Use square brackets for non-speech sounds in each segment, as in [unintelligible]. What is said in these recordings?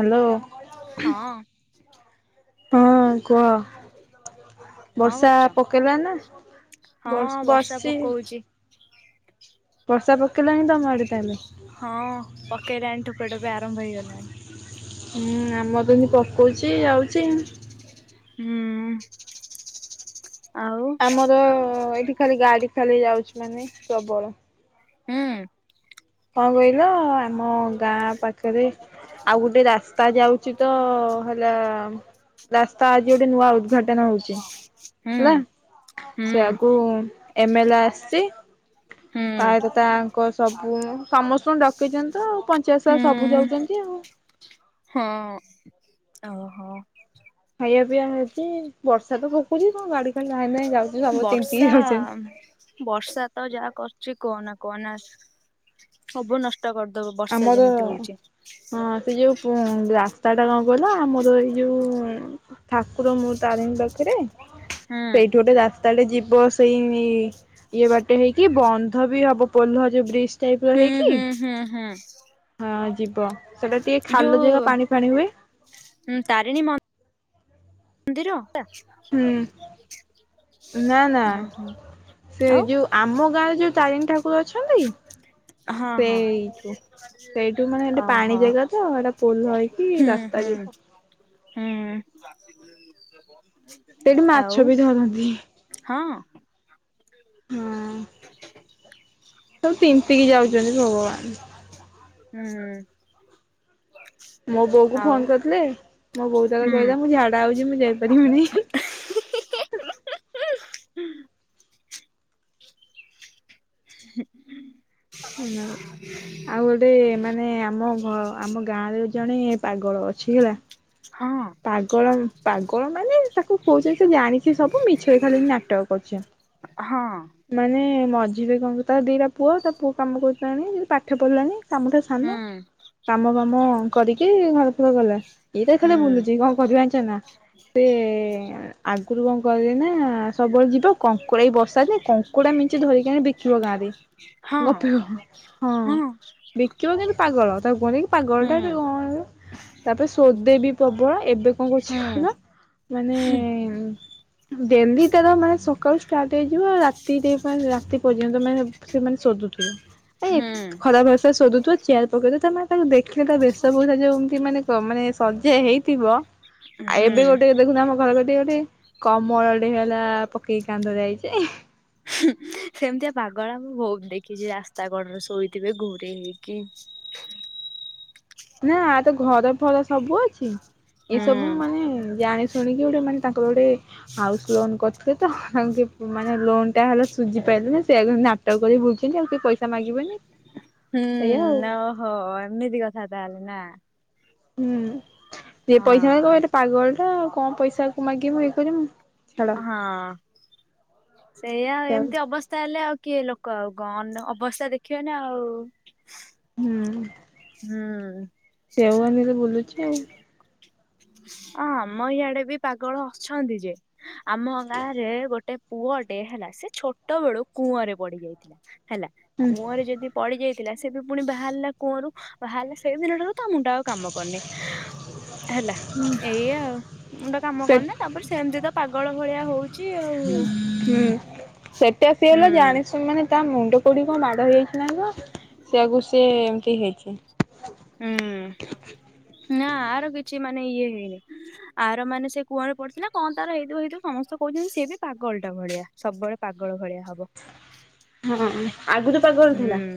Hello. ହଁ ହଁ କୁହ। କଣ ବର୍ଷା କରୁଛ? ପକେଇଲା ନା ହଁ ବସ ବର୍ଷା ବସିଛି। ପକଉଛି [inaudible] ବର୍ଷା ପକେଇଲାଣି ତମ ଆଡେ ତାହେଲେ? ହଁ ପକେଇଲାଣି ଠୋପେ ଠୋପେ ଆରମ୍ଭ ହେଇଗଲାଣି। ହୁଁ ଆମ ଏମିତି ପକଉଛି ଯାଉଛି। ହୁଁ। ଆଉ ଆମର ଏଇଠି ଖାଲି ଗାଡି ଖାଲି ଯାଉଛି ମାନେ ପ୍ରବଳ। ହୁଁ। କଣ କହିଲ ଆମ ଗାଁ ପାଖରେ। ଆଉ ଗୋଟେ ରାସ୍ତା ଯାଉଛି ତ ହେଲା। ରାସ୍ତା ଆଜି ଗୋଟେ ନୂଆ ଉଦଘାଟନ ହଉଛି। ହେଲା ହୁଁ ହୁଁ ସେୟାକୁ ଏମ ଏଲ ଏ ଆସିଛି। ତା ହୁଁ ସହିତ ତାଙ୍କ ସବୁ ସମସ୍ତଙ୍କୁ ଡକେଇଛ ତ ଆଉ ପଞ୍ଚାୟତ ସହ ସବୁ ହୁଁ ଯାଉଛନ୍ତି ଆଉ। ହଁ ଓହୋ। ଖାଇବା ପିଇବା ହେଇଛି ବର୍ଷା ତ ପକୁଛି କଣ ଗାଡି ଖାଲି ଧାଇଁ ଧାଇଁ ଯାଉଛି ସବୁ ତିନ୍ତିକି ବର୍ଷା ଯାଉଛନ୍ତି। ବର୍ଷା ତ ଯାହା କର ଛି କହନା କହନା ସବୁ ନଷ୍ଟ କରିଦବ ବର୍ଷା ଆମର ଯେମିତି ହଉଛି। ହଁ ସେ ଯୋଉ ରାସ୍ତା ଟା କଣ କିଲ ଆମର ଏଇ ଯୋଉ ଉ ଠାକୁର ମୁଁ ତାରିଣୀ ପାଖରେ ହୁଁ ସେଇଠି ଗୋଟେ ରାସ୍ତାଟେ ଯି ବ ସେଇ ଇଏ ବାଟେ ହେଇକି ବନ୍ଧ ବି ହବ ପୋଲ ଯୋଉ ବ୍ରିଜ ଟାଇପ ର ହୁଁ ହେଇକି ହୁଁ ହୁଁ ହୁଁ ହଁ ଯିବ ସେଟା ଟିକେ ଖାଲ ଜାଗା ଯୋଉ ପାଣି ଫାଣି ହୁଏ। ମନ୍ଦିରଟା ହୁଁ ନା ନା ସେ ଆଉ ଯୋଉ ଆମ ଗାଁରେ ଯୋଉ ତାରିଣୀ ଠାକୁର ଅଛନ୍ତି। ହଁ ହଁ ସେଇଠୁ ସେଇଠୁ ମାନେ ଏଠି ପାଣି ଓହୋ ଜାଗା ତ ଏଇଟା ପୋଲ ହେଇକି ହୁଁ ରାସ୍ତା ହୁଁ [unintelligible] ହୁଁ ସେଠି ଆଉ ମାଛ ବି ଧରନ୍ତି। ହଁ ହଁ [inaudible] ସବୁ ତିନ୍ତିକି ଯାଉଛନ୍ତି ଭଗବାନ ହୁଁ ମୋ ବୋଉ କୁ ଆଉ ଫୋନ କରିଥିଲେ ମୋ ବୋଉ ତାର ହୁଁ କହିଲା ମୁଁ ଝାଡା ହଉଛି ମୁଁ ଯାଇପାରିବିନି ହୁଁ ହ [unintelligible] ହୁ ଆଉ ଗୋଟେ ମାନେ ଆମ ଘ ଆମ ଗାଁରେ ଜଣେ ପାଗଳ ଅଛି ହେଲା ହଁ ପାଗଳ ପାଗଳ ମାନେ ତାକୁ କହୁଛନ୍ତି ସେ ଜାଣିଛ ସବୁ ମିଛରେ ଖାଲି ନାଟକ କରୁଛି। ହଁ ମାନେ ମଝିରେ କଣ କରୁ ତା ଦିଟା ପୁଅ ତା ପୁଅ କାମ କରୁଲାଣି ପାଠ ପଢିଲାଣି ଆମ ଠାରୁ ସାନ ହୁଁ କାମ ବାମ କରିକି ଘର ଫର ଗଲା ଇଏ ତାର ଖାଲି ହୁଁ ବୁଲୁଚି କଣ କରିବା ଯାଣିଛ ନା ସେ ଆଗରୁ କଣ କିରେ ନା ସବୁବେଳେ ଯିବା କଙ୍କୁଡ଼ ଏଇ ବର୍ଷା କଙ୍କୁଡା ମିଞ୍ଚି ଧରିକି ବିକିବ ଗାଁରେ ହଁ ଗପିବ ହଁ ବିକିବ କିନ୍ତୁ ପାଗଳ ତାକୁ କୁହନ୍ତି କି ପାଗଳଟା ହୁଁ କଣ ତାପରେ ସୋଦେବି ପ୍ରବଳ ଏବେ କଣ କରୁଛି ହୁଁ କହିବା ମାନେ ଡେଲିତାର ମାନେ ସକାଳୁ ଷ୍ଟାର୍ଟ ହେଇଯିବ ରାତିରେ ମାନେ ରାତି ପର୍ଯ୍ୟନ୍ତ ସେମାନେ ଶୋଧୁଥିବ ନାଇ ହୁଁ ଖରାପ ଭାଷାରେ ଶୋଧୁଥିବେ ଚେୟାର ପକେଇଥ ମାନେ ତାକୁ ଦେଖିଲେ ତା ବେଶ ପୋଷା ଯଉମତି ମାନେ କ ମାନେ ସଜା ହେଇଥିବ ଆଉ ଏବେ ହୁଁ। ଗୋଟେ ଦେଖୁନ ଆମ ଘରେ ସେ ଗୋଟେ କମଳ ଟେ ହେଲା ପକେଇକି କାନ୍ଦ ଯାଇଛି। ହୁ ସେମିତିଆ ପାଗଳା ମୁଁ ବହୁତ ଦେଖିଛି ରାସ୍ତା କଡ଼ରେ ଶୋଇଥିବେ ଘୁରେ ହେଇକି। [inaudible] ନା ଏ ତ ଘର ଭଲ ସବୁ ଅଛି ହୁଁ ଏସବୁ ମାନେ ଜାଣି ଶୁଣିକି ଗୋଟେ ମାନେ ତାଙ୍କର ଗୋଟେ ହାଉସ୍ ଲୋନ କରିଥିଲେ ତ ତା ମାନେ ଲୋନ୍ ଟା ହେଲା ସୁଝି ପାଇ ନା ସେ କରି ବୁଲୁଛନ୍ତି ଆଉ କିିଏ ପଇସା ମାଗିବେନି। ଏଇଆ ଆଉ ହୁଁ ଓହୋ ଏମିତି କଥା ତାହେଲେ ନା। ହୁଁ ଯି ପଇସା ମ କ ହଁ। ଏ ପାଗଳ ଟା ଆଉ କଣ ପଇସା କ ମାଗିବ ମୁଁ ଇଏ କରିମୁ। ହଁ ସେଇଆ ସେଆକୁ ଏମୀତି ଅବସ୍ଥା ହେଲେ ଆଉ କିଏ ଲୋକ ଆଉ ଗଣ ଅବସ୍ଥା ଦେଖିବନ ଆଉ ହୁଁ ହୁଁ ସେଓାନୀରେ ବୁଲୁଛି ଆଉ ଅ ଆମ ଇଆଡେ ବି ପାଗଳ ଅଛନ୍ତି ଯେ ଆମ ଗାଁରେ ଗୋଟେ ପୁଅ ଟେ ହେଲା ସେ ଛୋଟ ବେଳୁ କୂଅରେ ପଡି ଯାଇଥିଲା ହେଲା, ହୁଁ କୂଅରେ ଯଦି ପଡିଯାଇ ଥିଲା ସେ ବି ପୁଣି ବାହାରିଲା କୁଅରୁ ବାହାରିଲା ସେଇ ଦିନ ଠାରୁ ତା ମୁଣ୍ଡ ଆଉ କାମ କରୁନି ହେଲା ଏଇଆଉ ଗୋଟେ କାମ ସେ କରୁନି ତାପରେ ସେମିତି ତ ପାଗଳ ଭଳିଆ ହଉ ହୁଁ ସେଠା ଆ ସି ହେଲା ହୁଁ ଜାଣିସୁ ମାନେ ତା ମୁଣ୍ଡ କୋଉଠୀ କଣ ମାଡ ହେଇଯାଇଛି ନା କଣ? ସେୟା କୁ ସେ ଏମିତି ହେଇଛି। ହୁଁ ନା ଆର କିଛି ମାନେ ଇଏ ହେଇନି ଆର ମାନେ ସେ କୂଅରେ ପଡିଥିଲା କଣ ତାର ହେଇଥାବ ହେଇଥିବ ସମସ୍ତେ କହୁଛନ୍ତି ସେଏ ବି ପାଗଳ ଓଲଟା ଭଳିଆ ସବୁବେଳେ ପାଗଳ ଭଳିଆ ହବ ହଁ ଆଗ ରୁ ପାଗଳ ଥିଲା? ହୁଁ।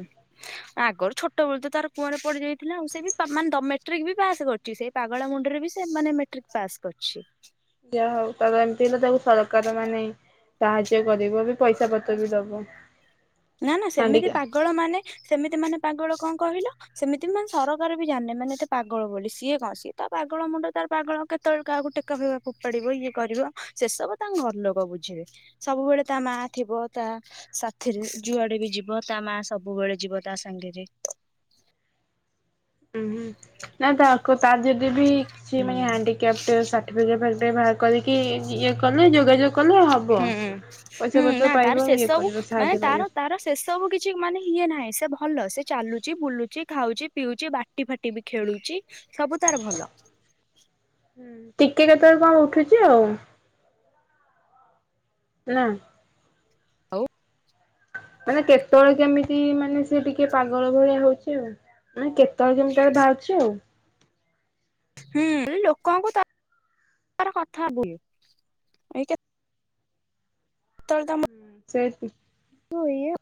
ଆଗରୁ ଛୋଟ ବେଳେ ତ ତାର କୁଅଁରେ ପଡିଯାଇ ଥିଲା ଆଉ ସେ ବି ମେଟ୍ରିକ ବି ପାସ୍ କରଛି, ସେ ପାଗଳା ମୁଣ୍ଡରେ ବି ସେ ମାନେ ମେଟ୍ରିକ ପାସ୍ କରିଛି। ଯାହା ହଉ ତାର ଏମିତି ହେଲା ତାକୁ ସରକାର ମାନେ ସାହାଯ୍ୟ କରିବ ବି ପଇସା ପତ୍ର ବି ଦବ। ନା ନା ସେମିତି ହାଣ୍ଡିକା ପାଗଳ ମାନେ ସେମିତି ମାନେ ପାଗଳ କଣ କହିଲ ସେମିତି ବି ମାନେ ସରକାର ବି ଜାଣିନି, ମାନେ ଏତେ ପାଗଳ ବୋଲି, ସିଏ କଣ ସିଏ ତ ପାଗଳ ମୁଣ୍ଡ ତାର ପାଗଳ କେତେ କେତେବେଳକୁ କାହାକୁ ଟେକା ଫେକା ଫୋପାଡିବ, ଇଏ କରିବ, ସେ ସବୁ ତାଙ୍କ ଘରଲୋକ ବୁଝିବେ। ସବୁବେଳେ ତା ମା ମା ଥିବ ତା ସାଥିରେ ଯୁଆଡେ ବି ଯିବ ତା ମା ସବୁବେଳେ ଯିବ ତା ସାଙ୍ଗରେ। ଉଁ ହୁଁ ନାଇଁ ତାକୁ ତ ଯଦି ବି ସେ ହୁଁ ହାଣ୍ଡିକ୍ୟାପଟେ [unintelligible] ବାହାର କରିକି ଇଏ କଲେ ଯୋଗାଯୋଗ କଲେ ହବ। ହୁଁ ପଇସା ହୁଁ ପତ୍ର ନା ପାଇବ ତାର ସେ ଇଏ ସବୁ କରିବ ମାନେ ସାହାଯ୍ୟ ପାଇବ ତାର ତାର ସେ ସବୁ କିଛି ମାନେ ଇଏ ନାହିଁ ସେ ଭଲ ସେ ଚାଲୁଛି, ବୁଲୁଛି, ଖାଉଛି, ପିଉଛି, ବାଟି ଫାଟି ବି ଖେଳୁଛି, ସବୁ ତାର ଭଲ। [inaudible] ହୁଁ ଟିକେ କେତେବେଳେ କଣ ଉଠୁଛି ଆଉ। ନା? ହଉ ମାନେ କେତେବେଳେ କେମିତି ମାନେ ସେ ଟିକେ ପାଗଳ ଭଳିଆ ହଉଛି ଆଉ ମାନେ ତଳେ କେମିତି ତାର ବାହାରୁଛି ଆଉ। ହୁଁ ଲୋକଙ୍କୁ ତ କଥା ଯେତେଳେ ସେ ହଏ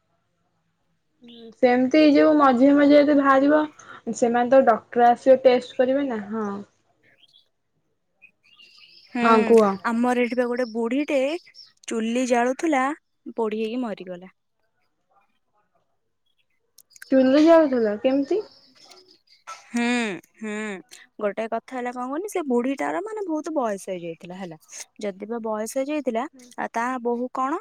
ସେମିତି ଯଉ ମଝିେ ମଝିରେତ ବାହାରିବ ସେମାନେ ତ ଡକ୍ଟର ଆସିବ ଟେଷ୍ଟ କର ନା ହଁ। [inaudible] ହୁଁ ହଁ କୁହ ଆମର ଏଠି ବା ଗୋଟେ ବୁଢୀ ଏ ଚୁଲି ଜାଳୁଥିଲା ପୋଢ ହେଇକି ମରିଗଲା। ଚୁନ୍ଦ ଯାଉଥିଲା କେମିତି? ହୁଁ ହୁଁ। ଗୋଟେ କଥା ହେଲା କଣ କହନି ସେ ବୁଢୀ ଟାର ମାନେ ବହୁତ ବୟସ ହେଇଯାଇଥିଲା ହେଲା ଯଦି ବା ବୟସ ହେଇଯାଇ ଥିଲା ଆ ତା ବୋହୁ କଣ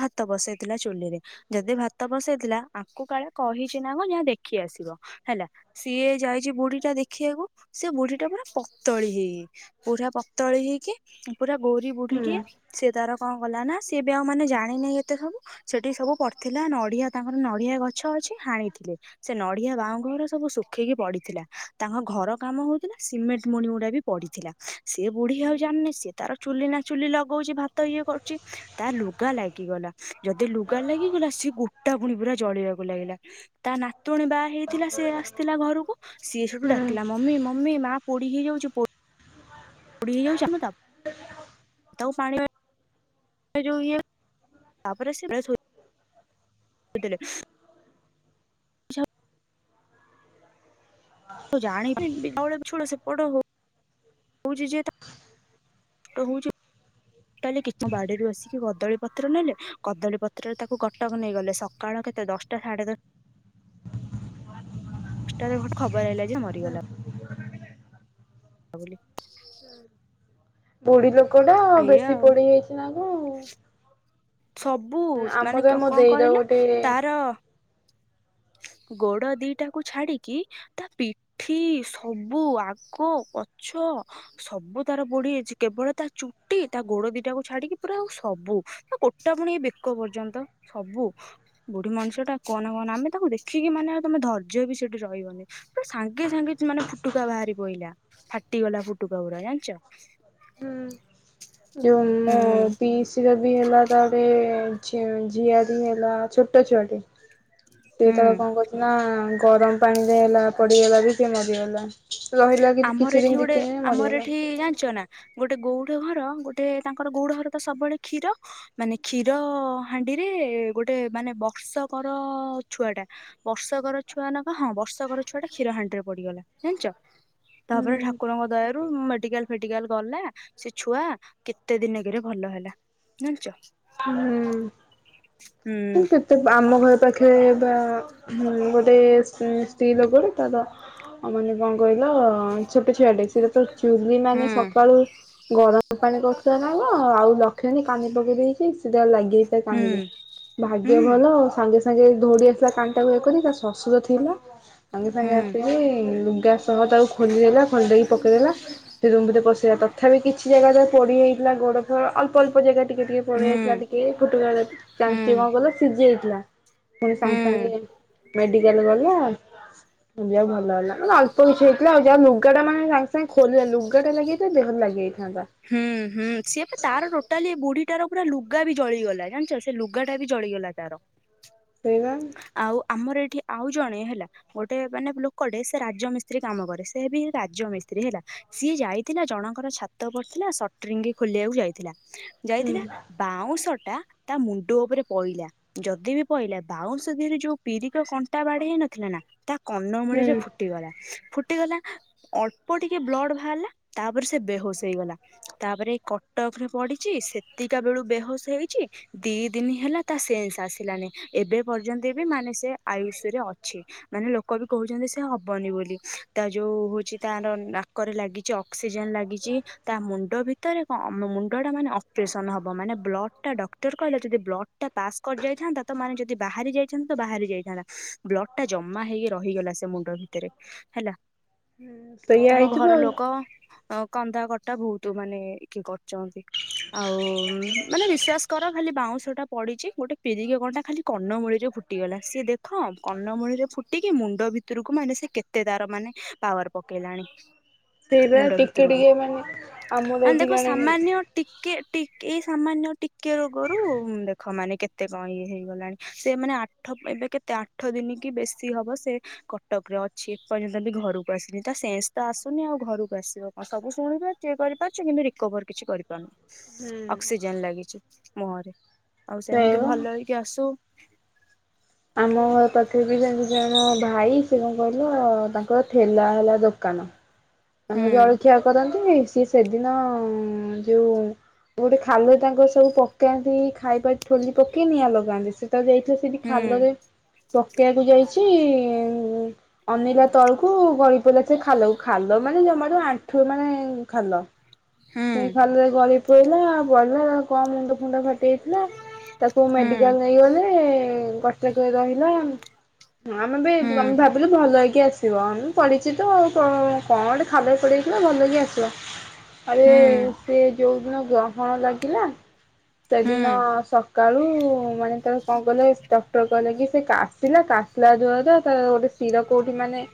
ଭାତ ବସେଇଥିଲା, ଚୁଲିରେ ଯଦି ଭାତ ବସେଇଥିଲା ଆକୁ କାଳେ କହିଚ ନା କ ଯାହା ଦେଖି ଆସିବ ହେଲା ସିଏ ଯାଇଛି ବୁଢୀ ଟା ଦେଖିବାକୁ ସେ ବୁଢୀ ଟା ପୁରା ପତଳି ହେଇଛି ପୁରା ପତଳି ହେଇକି ପୁରା ଗୋର ହୁଁ ବୁଢିକି ସେ ତାର କଣ କଲା ନା ସିଏ ବି ଆଉ ମାନେ ଜାଣିନହିଁ, ଏତେ ସବୁ ସେଠି ସବୁ ପଡିଥିଲା ନଡିଆ ତାଙ୍କର ନଡିଆ ଗଛ ଅଛି ହାଣିଥିଲେ ସେ ନଡିଆ ବାହାଁ ଘର ସବୁ ରଖେଇକି ପଡିଥିଲା ତାଙ୍କ ଘର କାମ ହଉଥିଲା, ସିମେଣ୍ଟ ମୁଣି ଗୁଡା ବି ପଡିଥିଲା ସେ ବୁଢୀ ହଉ ସ ତାର ଚୁଲି ନା ଚୁଲି ଲଗାଉଛି, ଭାତ ଇଏ କରୁଛି ତା ଲୁଗା ଲାଗିଗଲା ଯଦି ଲୁଗା ଲାଗିଗଲା ସଏ ଗୋଟା ପୁଣି ପୁରା ଜଳିବାକୁ ଲାଗିଲା ତା ନା ତଣ ବା ହେଇଥିଲା ସିଏ ଆସିଥିଲା, ଘରକୁ ସିଏ ସେଠୁ ହୁଁ ଡାକିଲା ମମି ମମି ମା ପୋଡି ହେଇଯାଉଛି ପୋ ପୋଡ଼ି ହେଇ ଯାଉଛ ତଉ ପାଣି ଯୋଉ ଇଏ ତାପରେ ସେ ଫ୍ରେସ ହେ ପିଟିଲେ ଯାଉ। ଜାଣିଛୋଡ ସେ ପଡ ହ ହଉଛି ଯେ ତା ଟୋ ହୋଉଛି କାଲି କିଛି ବାଡିରୁ ବସିକି କଦଳୀ ପତ୍ର ନେଲେ କଦଳୀ ପତ୍ରରେ ତାକୁ କଟକ ନେଇଗଲେ ସକାଳ କେତ ଦଶଟା ସାଢେ ଦଶଟା। ପାଞ୍ଚଟାରେ ବଟ ଖବର ହେଇଲା ଯେ ମରିଗଲା। ତା ବୋଲି। ବୁଢୀ ଲୋକ ଟା ଏଇଆ ବେଶୀ ଆଉ ପଢି ହୋଇଛି ନା କଣ [inaudible] ସବୁ ମାନେ ଆମର ମୋ କଣ ଦେଇର କହିଲ ଗୋଟେ ତାର ହ ଗୋଡ ଦିଟାକୁୁ ଛାଡିକି ତା ପିଠି ସବୁ ଆଗ ପଛ। ହ ସବୁ ତାର ପୋଡ଼ିଯାଇଛି କେବଳ ତା ଚୁଟି ତା ଗୋଡ ଦିଟାକୁୁ ଛାଡିକି ପୁରା ଆଉ ସବୁ। ଗୋଟା ପୁଣି ଏ ବେକ ପର୍ଯ୍ୟନ୍ତ ସବୁ ବୁଢୀ ମଣିଷ ଟା କହନା କହନା ଆମେ। ତାକୁ ଦେଖିକି ମାନେ ତମେ ଧୈର୍ଯ୍ୟ ବି ସେଠି ରହିବନି ତ ସାଙ୍ଗେ ସାଙ୍ଗେ ମାନେ ଫୁଟୁକା ବାହାରି ପହିଲା ଫାଟିଗଲା ଫୁଟୁକା ଗଡା ଜାଣିଛ। ହୁଁ ଯେଉ ମୁ ହୁଁ ପିସର ବି ହେଲା ତାପରେ ଝିଆଟି ହେଲା ଛୋଟ ଛୁଆଟି ସେ ହୁଁ ତାର କଣ କରହୁଥିଲେ ନା ଗରମ ପାଣିରେ ହେଲା ପଡିଗଲା ବି ସେ ମରିଗଲା। ରହିଲା କି ଆମର କିଛି ଏଠି ଦିନ ଦି ଗୋଟେ ତିନି ଦିନ ଆମର ମରିଗଲା ଏଠି ଜାଣିଛ ନା। ଗୋଟେ ଗୋଉଡ଼ ଘର ଗୋଟେ ତାଙ୍କର ଗୋଡ ଘର ତ ସବୁବେଳେ କ୍ଷୀର ମାନେ କ୍ଷୀର ହାଣ୍ଡିରେ ଗୋଟେ ମାନେ ବର୍ଷକର ଛୁଆ ଟା ବର୍ଷକର ଛୁଆ ନା କ ହଁ ବର୍ଷକର ଛୁଆ। ସେଟା କ୍ଷୀର ହାଡିରେ ପଡିଗଲା ଜାଣିିଚ। ତାପରେ ହୁଁ ଠାକୁରଙ୍କ ଦୟାରୁ ମେଡିକାଲ ଫେଟିକାଲ ଗଲା। ସେ ଛୁଆ କେତେ ଦିନକରେ ଭଲ ହେଲା ଜୁଣିଛ। ହୁଁଁ କେତେ ଆମ ଘର ପାଖେ ବା ଗୋଟେ ସ୍ତ୍ରୀ ଲୋକାଟେ ତାର ଆଉ ମାନେ କଣ କହିଲ ଛୋଟ ଛିଆଟେ ସଟ ତ ଚୁଲି ମାନେ ସକାଳୁ ଗରମ ପାଣି କରୁଥିଲା ନା କଣ ଲିବ ଆଉ ଲଷ୍ମଣୀ କାନି ପକେଇ ଦେଇ ସେଟା ଲାଗି ତା କାହିଁରେ ଭାଗ୍ୟ ଭଲ ଆ ସାଙ୍ଗେ ସାଙ୍ଗେ ସାଙ୍ଗେ ଧୌଡି ଆସିଲା କାଟାକୁ ଏ କରି ତା ଶଶୁର ଥିଲା ସାଙ୍ଗେ ସାଙ୍ଗେ ଆସିକି ସହ ତାକୁ ଖୋଲିଦେଲା ଖଲକି ପକେଇଦେଲା ସେ ରୁମରେ ପଶେଇଲା ତଥାପି କିଛି ଜାଗା ପୋଡ଼ିହେଇଥିଲା ଗୋଡ଼ ଫୋଡ ଅଳ୍ପ ଅଳ୍ ଜାଗା ଟିକେ ପଡି ଯାଇଥିଲା ଟିକେ ଫୁଟ କାଞ୍ଚ କଣ କଲେ ସିଝି ଯାଇଥିଲା। ପୁଣି ସାଙ୍ଗେ ସାଙ୍ଗେ ମେଡିକାଲ ଗଲା। ଯା ଭଲ ହେଲା ଅଳ୍ପ କିଛି ହେଇଥିଲା ଆଉ ଯାହା ଲୁଗାଟା ମାନେ ସାଙ୍ଗେ ସାଙ୍ଗେ ଖୋଲିଲେ ଲୁଗାଟା ଲାଗି ଦେହରେ ଲାଗେ ହୁଁ ହୁଁ ସିଏ ତାର ଟୋଟାଲି ବୁଢୀ ତାର ପୁରା ଲୁଗା ବି ଜଳିଗଲା ଜାଣିଛ ସେ ଲୁଗା ଟଟା ବି ଜଳିଗଲା ତାର। ସେଇଆ ଆଉ ଆମର ଏଠି ଆଉ ଜଣେ ହେଲା ଗୋଟେ ମାନେ ଲୋକଟେ ସେ ରାଜମିସ୍ତ୍ରୀ କାମ କରେ ସେ ବି ରାଜମିସ୍ତ୍ରୀ ବିହିଲା ସିଏ ଯାଇଥିଲା ଜଣଙ୍କର ଛା ତ ପଡିଥିଲା ସଟ୍ରିଙ୍ଗ ଖୋଲିବାକୁ ଯାଇଥିଲା। ହୁଁ ଯାଇଥିଲା ବାଉଁସ ଲା ତା ମୁଣ୍ଡ ଉପରେ ପଇଲା ଯଦି ବି ପଇଲା ବାଉଁଶ ଦିହରେ ଯୋଉ ପିରିକ କଣ୍ଟା ବାଢେହେ ନଥିଲା ନା ତା କନମୂଳିରେ ହୁଁ ଫୁଟିଗଲା। ଫୁଟିଗଲା ଅଳ୍ପ ଟିକେ ବ୍ଲଡ ବାହାରିଲା ତାପରେ ସେ ବେହୋସ ହେଇଗଲା ତାପରେ କଟକରେ ପଡିଛି ସେତିକା ବେଳୁ ବେହୋସ ହେଇଛି ଦି ଦିନି ହେଲା ତା ସେନ୍ସ ଆସିଲାନି ଏବେ ପର୍ଯ୍ୟନ୍ତ ବି ମାନେ ସେ ଆୟୁଷରେ ଅଛି। ମାନେ ଲୋକ ବି କହୁ କହୁଚନ୍ତି ସେ ହବନି ବୋଲି। ତା ଯୋଉ ହଉଛି ତାର ନାକରେ ଲାଗିଛି ଅକ୍ସିଜେନ ଲାଗିଚି। ତା ମୁଣ୍ଡ ଭିତରେ ଅ ମୁଣ୍ଡ ଟା ମାନେ ଅପରେସନ ହବ। ମାନେ ବ୍ଲଡ ଟା ଡକ୍ଟର କହିଲା। ଯଦି ବ୍ଲଡ ପାସ୍ କରି ଯାଇଥାନ୍ତା ତ ମାନେ ଯଦି ବାହାରି ଯାଇଛନ୍ତି ତ ବାହାରି ଯାଇଥାନ୍ତା। ବ୍ଲଡ ଟା ଜମା ହେଇକି ରହିଗଲା ସେ ମୁଣ୍ଡ ଭିତରେ ହେଲା। ସେଇଆ ତାଙ୍କ ହେଇଥିବ ଘର ଆଉ। ଲୋକ କନ୍ଦା କ ଟା ବହୁତ ମାନେ କିଏ କରଚନ୍ତି। ଆଉ ମାନେ ବିଶ୍ଵାସ କର ଖାଲି ବାଉଁଶ ଟା ପ ପଡିଚି ଗୋଟେ ପିରିିଗ କନଟା ଖାଲି କନମୂଳି ରେ ଫୁଟିଗଲା। ସିଏ ଦେଖ କନମୂଳିରେ ଫୁଟିକି ମୁଣ୍ଡ ଭି ଭିତକୁ ମାନେ ସେ କେତେ ତାର ମାନେ ପାୱାର ପକେଇଲାଣି। ସେଇ ବା ମୁଣ୍ଡ ଭିତରକୁ। ଟିକେଟିକେ ମାନେ ଆମର ମାନେ ଦେଖ ଏଇଠିକି ଆଣି ସାମାନ୍ୟ ଟିକେ ଟିକେ ଏଇ ସାମାନ୍ୟ ଟିକେ ରୋଗରୁ ଦେଖ ମାନେ କେତେ କଣ ଇଏ ହେଇଗଲାଣି। ସିଏ ମାନେ ଆଠ ଏବେ କେତେ ଆଠ ଦିନ କି ବେଶୀ ହବ ସେ କଟକରେ ଅଛି। ଏପର୍ଯ୍ୟନ୍ତ ବି ଘରକୁ ଆସିନି। ତ ସେ ସେନସ ତ ଆସୁନି ଆଉ ଘରକୁ ଆସିବ କଣ? ସବୁ ଶୁଣିପାରୁଚି କରିପାରୁଚି। କିନ୍ତୁ ରିକଭର କିଛି କରିପାରୁନି। ଅକ୍ସିଜେନ ଲାଗିଛି ମୁହଁରେ। ଆଉ ସେମିତି ସେଇବା ଭଲ ହେଇକି ଆସୁ। ସେ ଭାଇ ସେ କଣ କହିଲ ତାଙ୍କର ଠେଲା ହେଲା ଦୋକାନ। ହୁଁ ଆମର ଜଳଖିଆ କରନ୍ତି। ସିଏ ସେଦିନ ଯୋଉ ଗୋଟେ ଖାଲୁ ତାଙ୍କ ସବୁ ପକାନ୍ତି। ଖାଇବା ଠୋଲି ପକେଇ ନିଆଁ ଲଗାନ୍ତି। ସେ ତା ଯାଇଥିଲା ସେଠି ହୁଁ ଖାଲରେ ପକେଇବାକୁ ଯାଇଚି। ଉଁ ଅନେଇଲା ତଳକୁ ଗଳି ପଇଲା ସେ ଖାଲକୁ। ଖାଲ ମାନେ ଜମାରୁୁ ଆଣ୍ଠୁ ମାନେ ଖାଲ ହୁଁ ସେଇ ଖାଲରେ ଗଳି ପଇଲା ପଡିଲା କଁ ମୁଣ୍ଡ ଫୁଣ୍ଡ ଫା ଟି ଯାଇଥିଲା ତାକୁ ହୁଁ ମେଡିକାଲ ନେଇଗଲେ କଟକରେ ରହିଲା। ହଁ ଆମେ ହୁଁ ବି ଆମେ ଭାବିଲୁ ଭଲ ହେଇକି ଆସିବ। ହୁଁ ପଡିଚିତ ଆଉ। କଁ କଣ ଗୋଟେ ଖାଲରେ ପଡିଯାଇଥିଲା। ଭଲହେଇକି ଆସିବ। ଆରେ ହୁଁ ସେ ଯଉ ଦିନ ଗ୍ରହଣ ଲାଗିଲା। ହୁଁ ସେଦିନ ସକାଳୁ ମାନେ ତାର କଣ କହିଲେ। ଡକ୍ଟର କହିଲ କି ସେ କାଶିଲା କାଶିଲା ଦ୍ଵାରା ତାର ଗୋଟେ ଶିର କୋଉଠି ମାନେ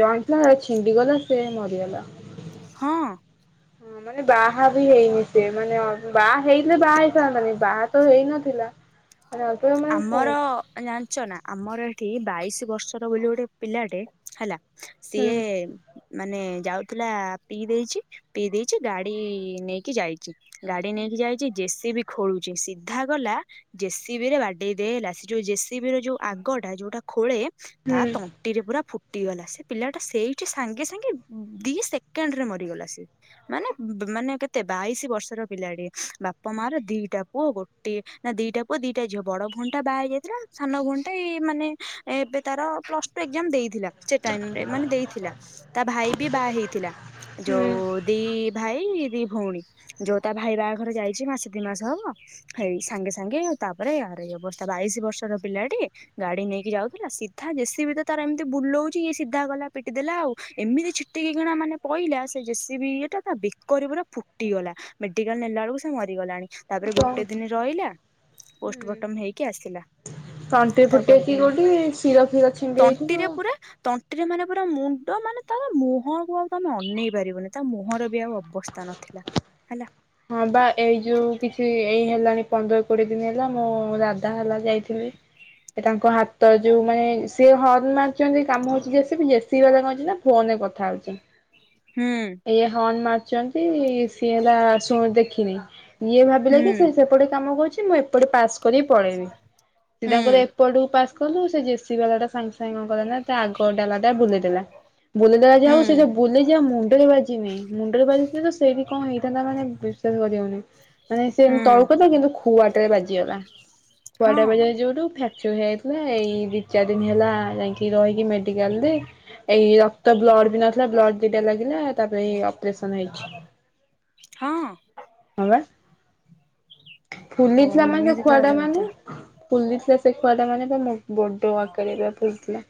ଜଏନଟଥିଲା ଛିଣ୍ଡି ଗଲା। ସେ ମରିଗଲା। ହଁ। ହଁ ମାନେ ବାହା ବି ହେଇନି ସିଏ ମାନେ ଅ ବାହା ହେଇଥିଲେ ବାହା ହେଇ ସାରନତାଣି। ମାନେ ବାହା ତ ହେଇନଥିଲା। ମାନେ ଅଳ୍ପ ମାନେ କଣ ହୁଁ ଆମର ଜାଣିଚ ନା ଆମର ଏଠି ଏଇ ବାଇଶି ବର୍ଷର ବୋଲି ଗୋଟେ ପିଲାଟେ ହେଲା। ସିଏ ମାନେ ଯାଉଥିଲା ପିଇ ଦେଇଚି ପିଇ ଦେଇଛି ଗାଡି ନେଇକି ଯାଇଚି। ଗାଡି ନେଇ ନେଇକି ଯାଇଚି ଜେସିବି ଖୋଳୁଚି ସିଧା ଗଲା। ଜେସିବି ରେ ବା ଦେଇଦେଲା ସେ ଯୋଉ ଜେସିବି ର ଯୋଉ ଆଗଟା ଯୋଉଟା ଖୋଳେ ହୁଁ ତା ତଣ୍ଟିରେ ପୁରା ଫୁ ଟିଗଲା ସେ ପିଲାଟା ସେଇଠି ସାଙ୍ଗେ ସାଙ୍ଗେ ଦି ସେକେଣ୍ଡ ରେ ମରିଗଲା ସିଏ। ମାନେ ବ ମାନେ କେତେ ବାଇଶି ବର୍ଷର ପିଲାଟିଏ ବାପା ମା ର ଦିଇଟା ପୁଅ ଗୋଟିଏ ନା ଦିଇଟା ପୁଅ ଦିଟା ଝିଅ। ବଡ ଭୋଉଣିଟା ବାହା ହେଇ ଯାଇଥିଲା। ସାନ ଭୋଉଣି ମାନେ ଏବେ ତାର ପ୍ଲସ୍ ଟୁ ଏକ୍ଜାମ ଦେଇଥିଲା। ସେ ଟାଇମରେ ମାନେ ଦେଇଥିଲା। ତା ଭାଇ ବି ବାହା ହେଇଥିଲା। ହୁଁ ଯୋଉ ଦି ଭାଇ ଦି ଭଉଣୀ ଯୋଉ ତା ଭାଇ ବାହାଘର ଯାଇଛି। ମାସେ ଦି ମାସ ହବ। ହେଇ ସାଙ୍ଗେ ସାଙ୍ଗେ ତାପରେ ଆର ଏଇଅ ଅବସ୍ଥା ବାଇଶି ବର୍ଷର ପିଲାଟି ଗାଡି ନେଇକି ଯାଉଥିଲା। ସିଧା ଜେସିବି ତାର ଏମିତି ବୁଲଉଚି। ଇଏ ସିଧା ଗଲା ପିଟି ଦେଲା ଆଉ ଏମିତି ଛିଟିକି କିଣା ମାନେ ପଇଲା। ସେ ଜେସିବିଟା ତା ବେକର ପୁରା ଫୁଟି ଟି ଗଲା। ମେଡିକାଲ ନେଲା ବେଳକୁ ସେ ମରିଗଲାଣି। ତାପରେ କଣ ଗୋଟେ ଦିନ ରହିଲା ପୋଷ୍ଟବଟମ ହେଇ ତଣ୍ଟିରେ ଫୁଟିଛିି କୋଉଠି ଶିର ଫିର ଛିଣ୍ଡିଯାଇଥିବ। ତଣ୍ଟିରେ ପୁରା ତଣ୍ଟିରେ ମାନେ ପୁରା ମୁଣ୍ଡ ମାନେ ତାର ମୁହଁକୁ ଆଉ ତମେ ଅନେଇ ପାରିବନି। ତା ମୁହଁର ବି ଆଉ ଅ ଅବସ୍ଥା ନଥିଲା ହେଲା। ହଁ ବା ଏଇ ଯୋଉ କିଛି ଏଇ ହେଲାଣି ପନ୍ଦର କୋଡିଏ ଦିନ ହେଲା। ମୁଁ ଦାଦା ହେଲା ଯାଇଥିଲି। ଇ ତାଙ୍କ ହାତ ଯୋଉ ମାନେ ସିଏ ହର୍ନ ମାରିଚନ୍ତି। କାମ ହଉଚି ବି ଜେସିବି ବାଲା କଣ ହେଇଚି ନା ଫୋନରେ ରେ କଥା ହଉଚି। ହୁଁ ଇଏ ହର୍ଣ ମାରୁଚନ୍ତି ସିଏ ହେଲା ଶୁ -ଦେଖିନି। ଇଏ ଭାବିଲା ହୁଁ କି ସିଏ ସେପଟେ କାମ କରୁଛି। ମୁଁ ଏପଟେ ପାସ୍ କରିକି ପଳେଇମି। ସିଏ ହୁଁ ତାଙ୍କର ଏପଟକୁ ପାସ୍ କରନ୍ତୁ ସେ ଜେସି ବାଲା ଟା ସାଙ୍ଗ ସାଙ୍ଗେ କଣ କଣ ନା ତା ଆଗ ଡାଲାଟା ବୁଲେଇ ଦେଲା। ବୁଲେଦେଲା ଯା ହଉ ସେ ହୁଁ ଯୋଉ ବୁଲିଯିବା ମୁଣ୍ଡରେ ବାଜିନି। ମୁଣ୍ଡରେ ବାଜି ଥିଲେ ତ ସେଇଠି କଣ ହେଇଥାନ୍ତା ମାନେ ବିଶ୍ବାସ କରିହଉନି ମାନେ ସେ ହୁଁ ତଳକୁ ତ କିନ୍ତୁ ଖୁଆ ଟାରେ ବାଜିି ଜିଗଲା। ଖୁଆ ଟା ହଁ ବାଜିଲା ଯୋଉଠୁ ଫେକ୍ ଚ ହେଇଥିଲା ଏଇ ଦି ଚାରି ଦିନ ହେଲା ଯାଇକି ରହିକି ମେଡ଼ିକାଲ୍ ରେ ଏଇ ରକ୍ତ ବ୍ଲଡ୍ ବି ନଥିଲା। ବ୍ଲଡ୍ ଦିଟା ଲାଗିଲା, ତାପରେ ଏଇ ଅପରେସନ୍ ହେଇଛି। ହଁ। [unintelligible] ଓ ଫୁଲିଥିଲା ମାନେ ସେ ଏମିତି ଖୁଆ ଟା ତାହେଲେ କଥା ମାନେ। ଫୁଲିଥିଲା ସେ ଖୁଆଟା ମାନେ ତା ମୋ ବଡ ଆକାରେର ଫୁଲିଥିଲା।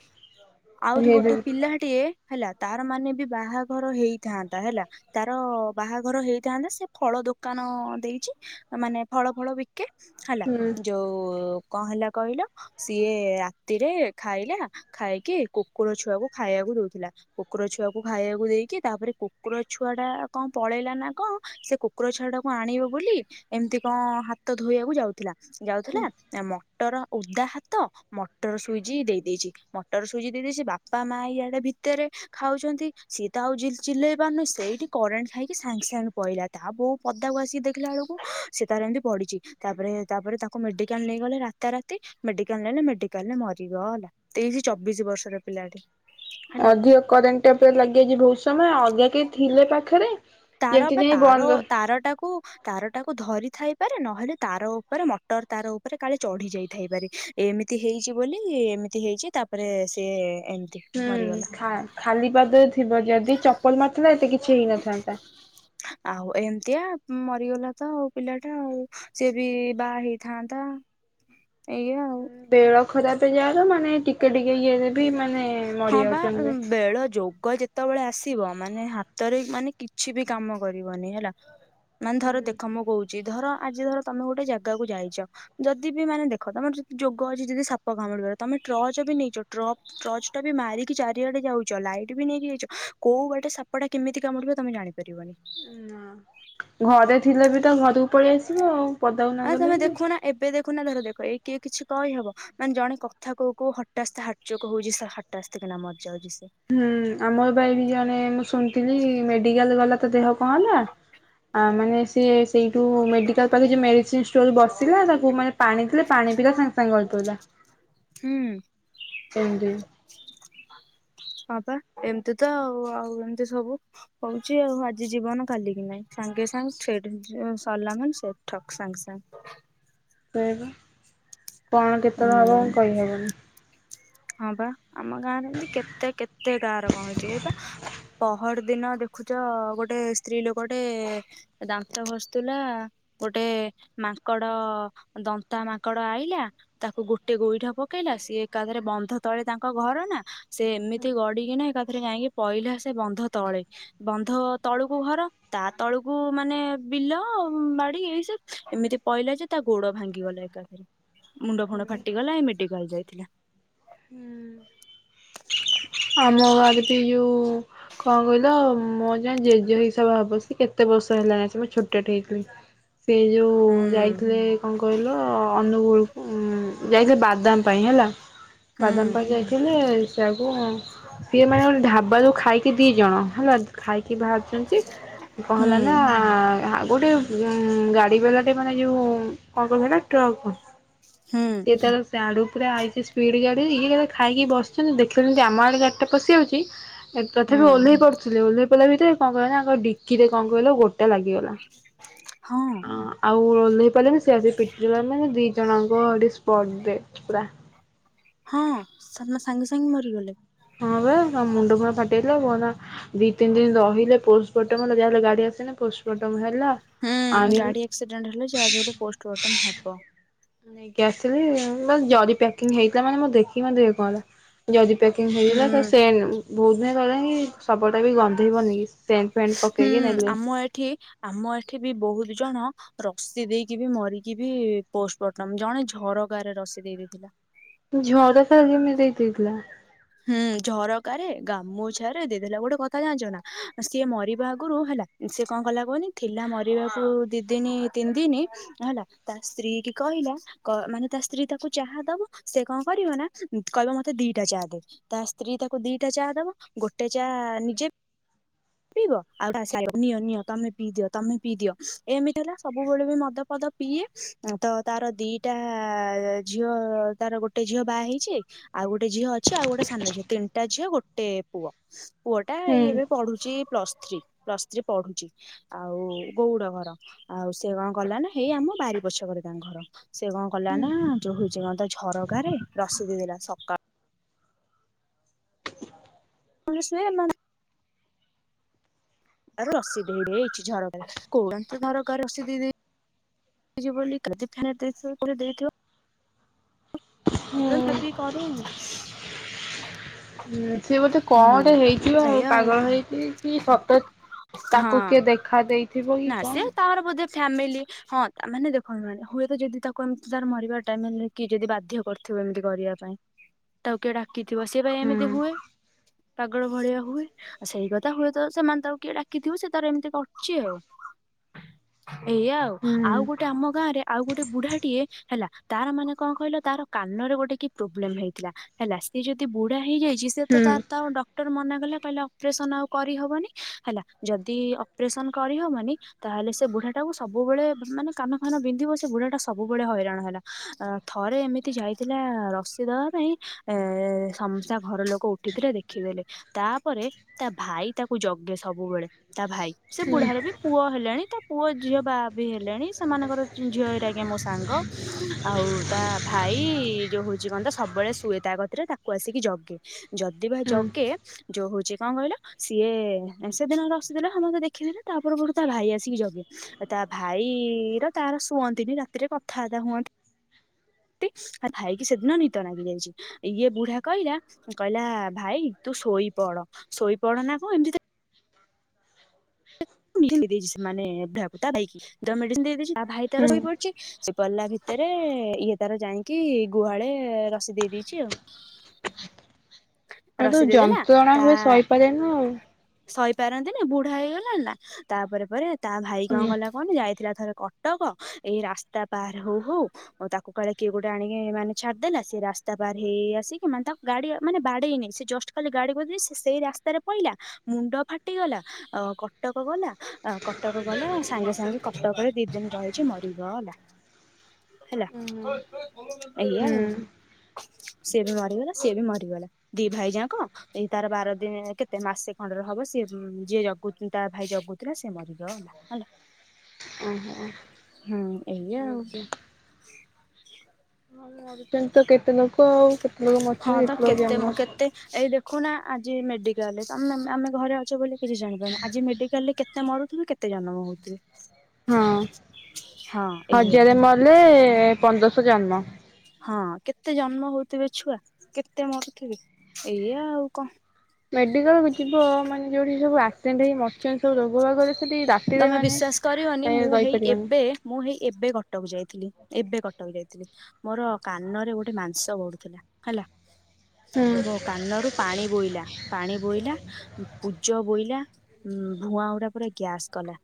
ଆଉରି ହେଇବି ଗୋଟେ ପିଲାହାଟିଏ ହେଲା ତାର ମାନ ବି ବାହାଘର ହେଇଥାନ୍ତା ହେଲା ତାର ବାହାଘର ହେଇଥାନ୍ତା ସେ ଫଳ ଦୋକାନ ଦେଇ ଛି ତା ମାନେ ଫଳ ଫଳ ବିକେ ହେଲା ହୁଁ। ଯୋଉ କଣ ହେଲା କହିଲ ସିଏ ରାତିରେ ଖାଇଲା ଖାଇକି କୁକୁର ଛୁଆକୁ ଖାଇବାକୁ ଦଉଥିଲା। କୁକୁର ଛୁଆକୁ ଖାଇବାକୁ ଦେଇକି। ତାପରେ କୁକୁର ଛୁଆ ଟା କଣ ପଳେଇଲା ନା କଣ ସେ କୁକୁର ଛୁଆଟାକୁ ଆଣିବ ବୋଲି ଏମିତି କଣ ହାତ ଧୋଇବାକୁ ଯାଉଥିଲା। ଯାଉଥିଲା। ଏ ମଟର ଓଦା ହାତ ମଟର ସୁଇଜ୍ ଦେଇ ଦେଇଛି। ମଟର ସୁ ସୁଇଜି ଦେଇ ଦେଇଛି। ବାପା ମା ଇଆଡେ ଭିତରେ ଖାଉଛନ୍ତି ସିଏ ତ ଆଉ ଜିଲ-ଚିଲେଇ ପାରୁନି। ସେଇଠି କରେ ଣ୍ଟେ ଖାଇକି ସାଙ୍ଗ ସାଙ୍ଗ ପଇଲା। ତା ବୋଉ ପଦାକୁ ଆସି ଦେଖିଲାବେଳକୁ ସିଏ ତାର ଏମିତି ପଡିଛି। ତାପରେ ତ ତାପରେ ତାକୁ ମେଡିକାଲ୍ ନେଇ ଗଲେ ରାତା ରାତି ମେଡିକାଲ୍ ନେଲେ। ମେଡିକାଲ୍ ରେ ମରିଗଲା। ସେ ଯୋ ଏ ଚବିଶି ବର୍ଷର ପିଲାଟି। ହେଲା ଅଧିକ କରେଣ୍ଟ ଟା ପ୍ରାୟ ଲାଗିଯାଇଛି ବହୁତ ସମୟ। ଅଲଗା କେହି ଥିଲେ ପାଖରେ ତାର ଯେମିତି ପା ନାଇଁ ତାର ବନ୍ଦ ତାର ଟାକୁ ତାର ଟାକୁ ଧରିଥାଇ ପାରେ, ନହେଲେ ତାର ଉପରେ ମଟର ତାର ଉପରେ କାଳେ ଚଢି ଯାଇଥାଇ ପାରେ। ଏମିତି ହେଇଛି ବୋଲି ଏମିତି ହେଇଛି ତାପରେ ସିଏ ହୁଁ ଖା-ଖାଲି ପାଦରେ ଥିବ ଯଦି ଚପଲ ମାରଥିଲା ଏତେ କି କିଛି ହେଇ ନଥାନ୍ତା। ଆଉ ଏମତିଆ ମରିଗଲା ତ ଆଉ ପିଲାଟା। ଆଉ ସିଏ ବି ବାହା ହେଇ ଥାନ୍ତା। ଉଁ, ବେଳ ଖରାପ ଯାାର ମାନେ ଟିକେ ଟିକେ ଇଏରେ ବି ମାନେ ହଁ ମରି ବା ଯାଉଛନ୍ତି। ଉଁ, ବେଳ ଯୋଗ ଯେତେବେଳେ ଆସ ସିବ, ମାନେ ହାତରେ ମାନେ କିଛି ବି କାମ କରିବନି ହେଲା ମାନେ ଧର ଦେଖ ମୁଁ କହୁଚି ଧର ଆଜି ଧର ତୋମେ ଗୋଟେ ଜାଗା କୁ ଯାଇଚ। ଯଦି ବି ମାନେ ଦେଖ ତୋମର ଯଦି ଯୋଗ ଅଛି ଯଦି ସାପ କାମୁଡ଼ିବ ତୋମେ ଟ୍ରଚ ବି ନେଇଚ। ଟ୍ର ଟର୍ଚ ଟା ବି ମାରିକି ଚାରିଆଡେ ଯାଉଚ। ଲାଇଟ୍ ବି ନେଇକି ଯାଇଛ। କୋଉ ବାଟେ ସାପଟା କେମିତି କାମୁଡିବ ତୋମେ ଜାଣି ଣି ପାରିବନି। ନା ଘରେ ଥିଲେ ବି ତ ଘରୁ ଆ, ତୋମେ ଦେଖୁନା ଏବେ ଦେଖୁନା ଧର ଦେଖ ଏଇ କି କିଛି କହି ହବ। ମାନେ ଜଣେ କଥା କହୁ କହୁ ହଠାସ୍ ତା ହାର୍ଟଚୋକ୍ ହଉଚି। ସା ହଟାସ୍ତି କିନା ମରିଯାଉଚି। ହୁଁ ଆମର ବା ଏଇଠି ଜଣେ ମୁଁ ଶୁଣିଥିଲି ମେଡିକାଲ୍ ଗଲା ତା ଦେହ କଣ ହେଲା। ଆ, ମାନେ ସିଏ ସେଇଠୁ ମେଡ଼ିକାଲ୍ ପାଖରେ ଯେ ମେଡ଼ିସିନ୍ ଷ୍ଟୋର୍ ରେ ବସିଲା ତାକୁ ମାନେ ପାଣି ଦେଲେ ପାଣି ପିଇଲା ସାଙ୍ଗେ ସାଙ୍ଗେ ଗଳି ପଇଲା। ହୁଁ, ପା ପା ଏମିତି ତ ଆଉ ଆଉ ଏମିତି ସବୁ ହଉଛି ଆଉ ଆଜି ଜୀବନ କାଲିକି ନାହିଁ। ସାଙ୍ଗେ ସାଙ୍ଗେ ସେଇଠି ହିଁ ଯେ ସରିଲା ମାନେ ସ ଠକ୍ ସାଙ୍ଗ ସାଙ୍ଗ। ସେଇୟା ପା କଣ କେତେବେଳେ ହବ ହୁଁ ମୁଁ କହିହେବନି। ହଁ ପା ଆମ ଗାଁରେ ଏମତି କେତେ କେତେ ଗାଁ ର କଣ ହେଇଛି ଏଇ ପା। ପହର ଦିନ ଦେଖୁଛ ଗୋଟେ ସ୍ତ୍ରୀ ଲୋକଟେ ଦାନ୍ତ ଘସୁଥିଲା। ଗୋଟେ ମାଙ୍କଡ ଦନ୍ତା ମାଙ୍କଡ ଆଇଲା ତାକୁ ଗୋଟେ ଗୋଇଠା ପକେଇଲା ସେ ଏକାଥରେ ବ ବନ୍ଧ ତଳେ ତାଙ୍କ ଘର ନା ସେ ଏମିତି ଗଡିକିନା ଏକାଥରେ ଯାଇକି ପଇଲା ସେ ବନ୍ଧ ତଳେ ବନ୍ଧ ତଳକୁ ଘର ତା ତଳକୁ ମାନେ ବିଲ ବାଡି ଏଇସବୁ ଏମିତି କହିଲା ଯେ ତା ଗୋଡ ଭାଙ୍ଗି ଗଲା ଏକାରେ ମୁଣ୍ଡ ଫଙଣ୍ଡ ଫାଟିଗଲା ମେଡିକାଲ ଯାଇଥିଲା। ଆମ ଆଡେ ବି ଯୋଉ କଣ କହିଲ ମୁଁ ଯାଏ ଜେଜେ ହିସାବରେ ହବ କେତେ ବର୍ଷ ହେଲାଣି ସେ ମୁଁ ଛୋଟଟେ ହେଇଥିଲି। ସେ ଯୋଉ ହୁଁ ଯାଇଥିଲେ କଣ କହିଲ ଅନୁଗୁଳ ଯାଇଥିଲେ ବାଦାମ ହେଲା ହୁଁ ବାଦାମ ଯାଇଥିଲେ ସେୟାକୁ ସିଏ ମାନେ ଗୋଟେ ଢ଼ାବା ବା ଖାଇକି ଦୁଇ ଜଣ ହେଲା ଖାଇକି ବାହାରୁଛନ୍ତି କଣ ହୁଁ ହେଲା ନା ଗୋଟେ ଉ ଗାଡି ବାଲାଟେ ମାନେ ଯୋଉ କଣ କହିଲ ଟ୍ରକ୍ ହୁଁ ସିଏ ତାର ସିଆଡୁ ପୁରା ହେଇଛି ସ୍ପିଡ ଗାଡି ଇଏ ଖାଇକି ବସିଛନ୍ତି ଦେଖୁଛନ୍ତି ଆମର ଇଆଡ଼େ ପଶିଆଉଛି ହୁଁ ତଥାପି ଓଲ୍ଲେଇ ପଡୁଥିଲେ ତ କଣ କହିଲ ନା ଡିକିରେ କଣ କହିଲ ଗୋଡ ଟା ଲାଗିଗଲା ହଁ। ଆଉ ଓଲ୍ଲେଇ ପାଇଲେନି ସେ ଆସି ପିଟିଗଲା ମାନେ ଦି ଜଣ ବ ସ୍ପଟ ଡେଟ ପୁରା। ହଁ ସେ ସାଙ୍ଗେ ସାଙ୍ଗେ ମରିଗଲେ। ହଁ ପା ମୁଣ୍ଡ ପୁଣ୍ଡ ଫାଟିଯାଇଥିଲା ଗଲା ଦିଇ ତିନି ଦିନି ରହିଲେ ପୋଷ୍ଟମର୍ଟମ ହେଲେ ଯାହା ହେଲେ ଗାଡି ଆସେନି ପୋଷ୍ଟମର୍ଟମ ହେଲେ ହୁଁ ଗାଡି ଆକ୍ସିଡେଣ୍ଟ ହେଲେ ଯାହା ବି ହେଲେ ପୋଷ୍ଟବର୍ଟମ ହବ। ନେଇକି ଆସିଲି ଜରି ପ୍ୟାକିଙ୍ଗ ହେଇଥିଲା କାରଣ ମୁଁ ଦେଖିକି ଏ ପର୍ଯ୍ୟନ୍ତ ପ୍ୟାକିଙ୍ଗଂ ହେଇଗଲା ହୁଁ ତ ସେନ୍ ବହୁତ ଦିନ କଲେ କି ସବ ଟା ବି ଗନ୍ଧେଇବନି କି? ସେଣ୍ଟ ଫେଣ୍ଟ ହୁଁ ପକେଇକି ନେଲେ ଆମ ଏଠି ଆମ ଏଠି ବି ବହୁତ ଜଣ ରସି ଦେଇକି ବି ମରିକି ବି ପୋଷ୍ଟମର୍ଟମ ଜଣେ ଝରକାରେ ରସି ଦେଇ ଦେଇଥିଲା। ଝରକା ରେ କେମିତି ଦେଇ ଦେଇଥିଲା? ହୁଁ ଝରକାରେ ଗାମୁଛା ରେ ଦେଇଦେଲା ଗୋଟେ କଥା ଜାଣିଛ ନା ସିଏ ମରିବା ଆଗରୁ ହେଲା ସେ କଣ କହିଲା କୁହନି ଥିଲା ମରିବାକୁ ଦି ଦିନ ତିନି ଦିନ ହେଲା ତା ସ୍ତ୍ରୀ କି କହିଲା ମାନେ ତା ସ୍ତ୍ରୀ ତାକୁ ଚାହା ଦବ ସେ କଣ କରିବ ନା କହିବ ମୋତେ ଦିଟା ଚାହା ଦେ। ତା ସ୍ତ୍ରୀ ତାକୁ ଦିଟା ଚାହା ଦବ ଗୋଟେ ଚାହା ନିଜେ ପିଇବ ଆଉ ନିଅ ନିଅ ତମେ ପିଇ ଦିଅ ତମେ ପିଇ ଦିଅ ଏମିତି ହେଲା ସବୁବେଳେ ବି ମଦପଦ ପିଏ ତ ତାର ଦିଟା ଝିଅ ତାର ଗୋଟେ ଝିଅ ବାହା ହେଇଛି। ଆଉ ଗୋଟେ ଝିଅ ଅଛି ଆଉ ଗୋଟେ ସାନ ଝିଅ ତିନିଟା ଝିଅ ଗୋଟେ ପୁଅ ପୁଅ ଟା ହୁଁ ଏଇ ଏବେ ପଢୁ ପ୍ଲସ ଥ୍ରୀ ପ୍ଲସ ଥ୍ରୀ ପଢୁଛି ଆଉ ଗୋଉଡ ଘର ଆଉ ସେ କଣ କଲା ନା ହେଇ ଆମ ବାରି ପଛ କରେ ତାଙ୍କର ଘର ସେ କଣ କଲା ନା ଯୋଉ ହଉଛି କଣ ତା ଝରକା ରେ ରସି ଦେଇ ଦେଲା। କା କଂଗ୍ରେସ ମା ରସି ଦେଇ ଦେଇଛି ଝରକା [inaudible] ରସି ଦେ କିଝ ବିଲ କଦୀ ଖାନ ଦେଇ ଦେଇଥିବ। ହୁଁ [inaudible] ସେ ବୋଧେ ହୁଁ। କଣଟେ ହେଇଯିବ ଆଉ ପାଗଳ ହେଇଛି କି ସତ ତାକୁ ହଁ କିଏ ଦେଖା ଦେଇଥିବ କି ନା ସେ କଣ? ତାର ବୋଧେ ଫ୍ୟାମିଲି ହଁ ତା ମାନେ ଦେଖନ୍ତୁାନେ ହୁଏତ ଯଦି ତାକୁ ଏମିତି ତାର ମରିବା ଟାଇମରେ କି ଯଦି ବାଧ୍ୟ। କରିଥିବ ଏମିତି କରିବା ପାଇଁ ତାକୁ କିଏ ଡାକିଥିବ ସିଏ ପାଇଁ ହୁଁ ଏମିତି ହୁଏ। ପାଗଳ ଭଳିଆ ହୁଏ ଆଉ ସେଇ କଥା ହୁଏ ତ ସେମାନେ ତାକୁ କିଏ ଡାକିଥିବ ସେ ତାର ଏମିତି ଅଛି ଆଉ। ଏଇ ଆଉ ହୁଁ ଆଉ ଗୋଟେ ଆମ ଗାଁ ରେ ଆଉ ଗୋଟେ ବୁଢାଟିଏ ହେଲା ତାର ମାନେ କଣ କହିଲ ତାର କାନରେ ଗୋଟେ କି ପ୍ରୋବ୍ଲେମ ହେଇଥିଲା ହେଲା ସିଏ ଯଦି ବୁଢା ହେଇଯାଇଛି ସିଏ ହୁଁ ତାର ତ ଡ ଡକ୍ଟର ମନାକଲା କହିଲା ଅପରେସ ଆଉ କରିହବନି ହେଲା ଯଦି ଅପରେସ କରିହବନି ତା ତାହେଲେ ସେ ବୁଢାଟାକୁ ସବୁବେଳେ ମାନେ କାନଫାନ ବିନ୍ଧିବ ସେ ବୁଢାଟା ସବୁବେଳେ ହଇରାଣ ହେଲା ଥରେ ଏମି ଏମିତି ଯାଇଥିଲାଆ-ଆ ରସି ଦେବା ପାଇଁ ଏ-ଏ-ଏ-ଏ ସମସ୍ତେ ତା ଘର ଲୋକ ଉଠିଥିଲେ ଦେଖିଦେଲେ ତା ତାପରେ ତା ଭାଇ ତାକୁ ଜଗେ ସବୁବେଳେ ତା ଭାଇ ସେ ହୁଁ। ବୁଢାର ବି ପୁଅ ହେଲାଣି ତା ପୁଅ। [inaudible] ଝିଅ ବାହା ବି ହେଲେଣି ସେମାନଙ୍କର ଝିଅ ହେରିକା ଆଜ୍ଞା ମୋ ସାଙ୍ଗ ଆଉ ତା ଭାଇ-ଇ-ଇ ଯୋଉ ହଉଛି କଣ ତ ସବୁବେଳେ ଶୁଏ ତା କତିରେ ତାକୁ ଆସିକି ଜଗେ ଯଦି ବା ହୁଁ ଜଗେ। ଯୋଉ ହଉଛି କଣ କହିଲ ସିଏ-ଏ-ଏ ସେ ଦିନ ତ ରସିଦେଲା ସମସ୍ତେ ଦେଖିଥିଲେ ତାପର ପରଠୁ ତା ଭାଇ ଆସିକି ଜ [inaudible] ତା ଭାଇ-ଇ-ଇ ର ତାର ଶୁଅନ୍ତିନି ରାତିରେ କଥାବାର୍ତ୍ତା ହୁଅନ୍ତି। ନ୍ତି, [inaudible] ଭାଇ କିି ସେଦିନ ନିିଦ ଲାଗି ଯାଇଛି ଇଏ ବୁଢା କହିଲା କହିଲା ଭାଇ। ତୁ ଶୋଇପଡ ଶୋଇପଡ ନା କଣ ଏମିତି [inaudible] ଦେଇଛି ସେ ମାନେ ବୁଢ଼ାକୁ, ତା ଭାଇକି ମେଡିସିନ ଦେଇ ଦେଇଛି ତା ଭାଇ ତାର ହୁଁ ଶୋଇ ପଡିଛି। ସିଏ ପଡିଲା ଭିତରେ ଇଏ ତାର ଯାଇକି ଗୁହାଳେ ରସି ଦେଇ ଦେଇଦେଇଛି ଆଉ। ଆଉ ରସି ତାକୁ ଦେଇଦେଲା ଯନ୍ତ୍ରଣା ତା ହୁଏ ସହିପାରେନା ଆଉ। ସହିପାରନ୍ତିନି ବୁଢା ହେଇଗଲାଣିନା। ତାପରେ ପରେ ତା ଭାଇ କଣ ହୁଁ କଲା କଣ ଯାଇଥିଲା ଥରେ କଟକ ଏଇ ରାସ୍ତା ପାର ହଉ ହଉ [inaudible] ତାକୁ କାଳେ କିଏ ଗୋଟେ ଆଣିକି ମାନେ ଛାଡିଦେଲା ସେ ରାସ୍ତା ପାର ହେଇ ହେଇ ଆସିକି ମାନେ ତାକୁ ଗାଡି ମାନେ ବା ବାଡେଇନି ସେ ଜଷ୍ଟ୍ ଖାଲି ଗାଡି [inaudible] ସେ ସେଇ ରାସ୍ତାରେ ପଇଲା ମୁଣ୍ଡ ଫାଟିଗଲା ଆଉ କଟ୍- କଟକ ଗଲା ଆ କଟକ ଗଲା ସାଙ୍ଗେ ସାଙ୍ଗେ କଟକରେ ଦି ଦିନ ରହିଛି ମରିଗଲା। ହେଲା, ଏଇଆ ହୁଁ ଆଉ। ଓହୋ। ସିଏ ବି ମରିଗଲା ସିଏ ବି ମରିଗଲା ଦି ଭାଇଯାକ ଏଇ ତାର ବାର ଦିନ କେତେ ମାସେ। ଖଣ୍ଡରେ ହବ ସିଏ ଯିଏ ଜଗୁ ତା ଭାଇ ଜଗୁଥିଲା ସେ ମରିଗଲା ହେଲା, ହୁଁ। ଏଇଆ ଆଉ। ଓକେ। ହଁ ମରୁଛନ୍ତି ତ କେତେ ଲୋକ ଆଉ କେତେ ଲୋକ ହଁ ମରିଛନ୍ତି ତ କେତେ ଲୋକ ଜନ୍ମ ହୋଉ [inaudible] କେତେ ଏଇ ଦେଖୁନା ଆଜି ମେଡିକାଲରେ ତମେ ମେ ଆମେ ଘରେ ଅଛେ ବୋଲି କିଛି ଜାଣିପାରୁନେ, ଆଜି ମେଡିକାଲରେ କେତେ ମରୁଥିବେ କେତେ ଜନମ ହଉଥିବେ। ହଁ, ହଁ ଏଇଆ ହଜାରେ ମଲେ ପନ୍ଦରଶହ ଜନ୍ମ। ହଁ କେତେ ଜନ୍ମ ହଉଥିବେ ଛୁଆ କେତେ ମରୁଥିବେ ଏଇଆ ଆଉ କଣ। ମେଡିକାଲକୁ ଯିବ ମାନେ ଯୋଉଠି ସବୁ ଆସେଣ୍ଟ୍ ହେଇ ମରିଛନ୍ତି ସବୁ ରୋଗ ବାଗରେ ସେଠି ରାତିରେ ମାନେ। ବିଶ୍ୱାସ କରିବନି ଏ ମୁଁ ହେଇ ରହିପାରିବନି ଏବେ ମୁଁ ହେଇ ଏବେ କଟକ ଯାଇଥିଲି ଏବେ କଟକ। ଯାଇଥିଲି, ମୋର କାନରେ ଗୋଟେ ମାଂସ ବଢୁଥିଲା, ହେଲା। ହୁଁ ମୋ କାନରୁୁ ପାଣି ବୋଇଲା ପାଣି ବୋଇଲା ପୂଜ ବୋଇଲା ଉଁ-ଉଁ ଭୁଆଁଗୁରା ପୁରା ଗ୍ୟାସ୍ କଲା।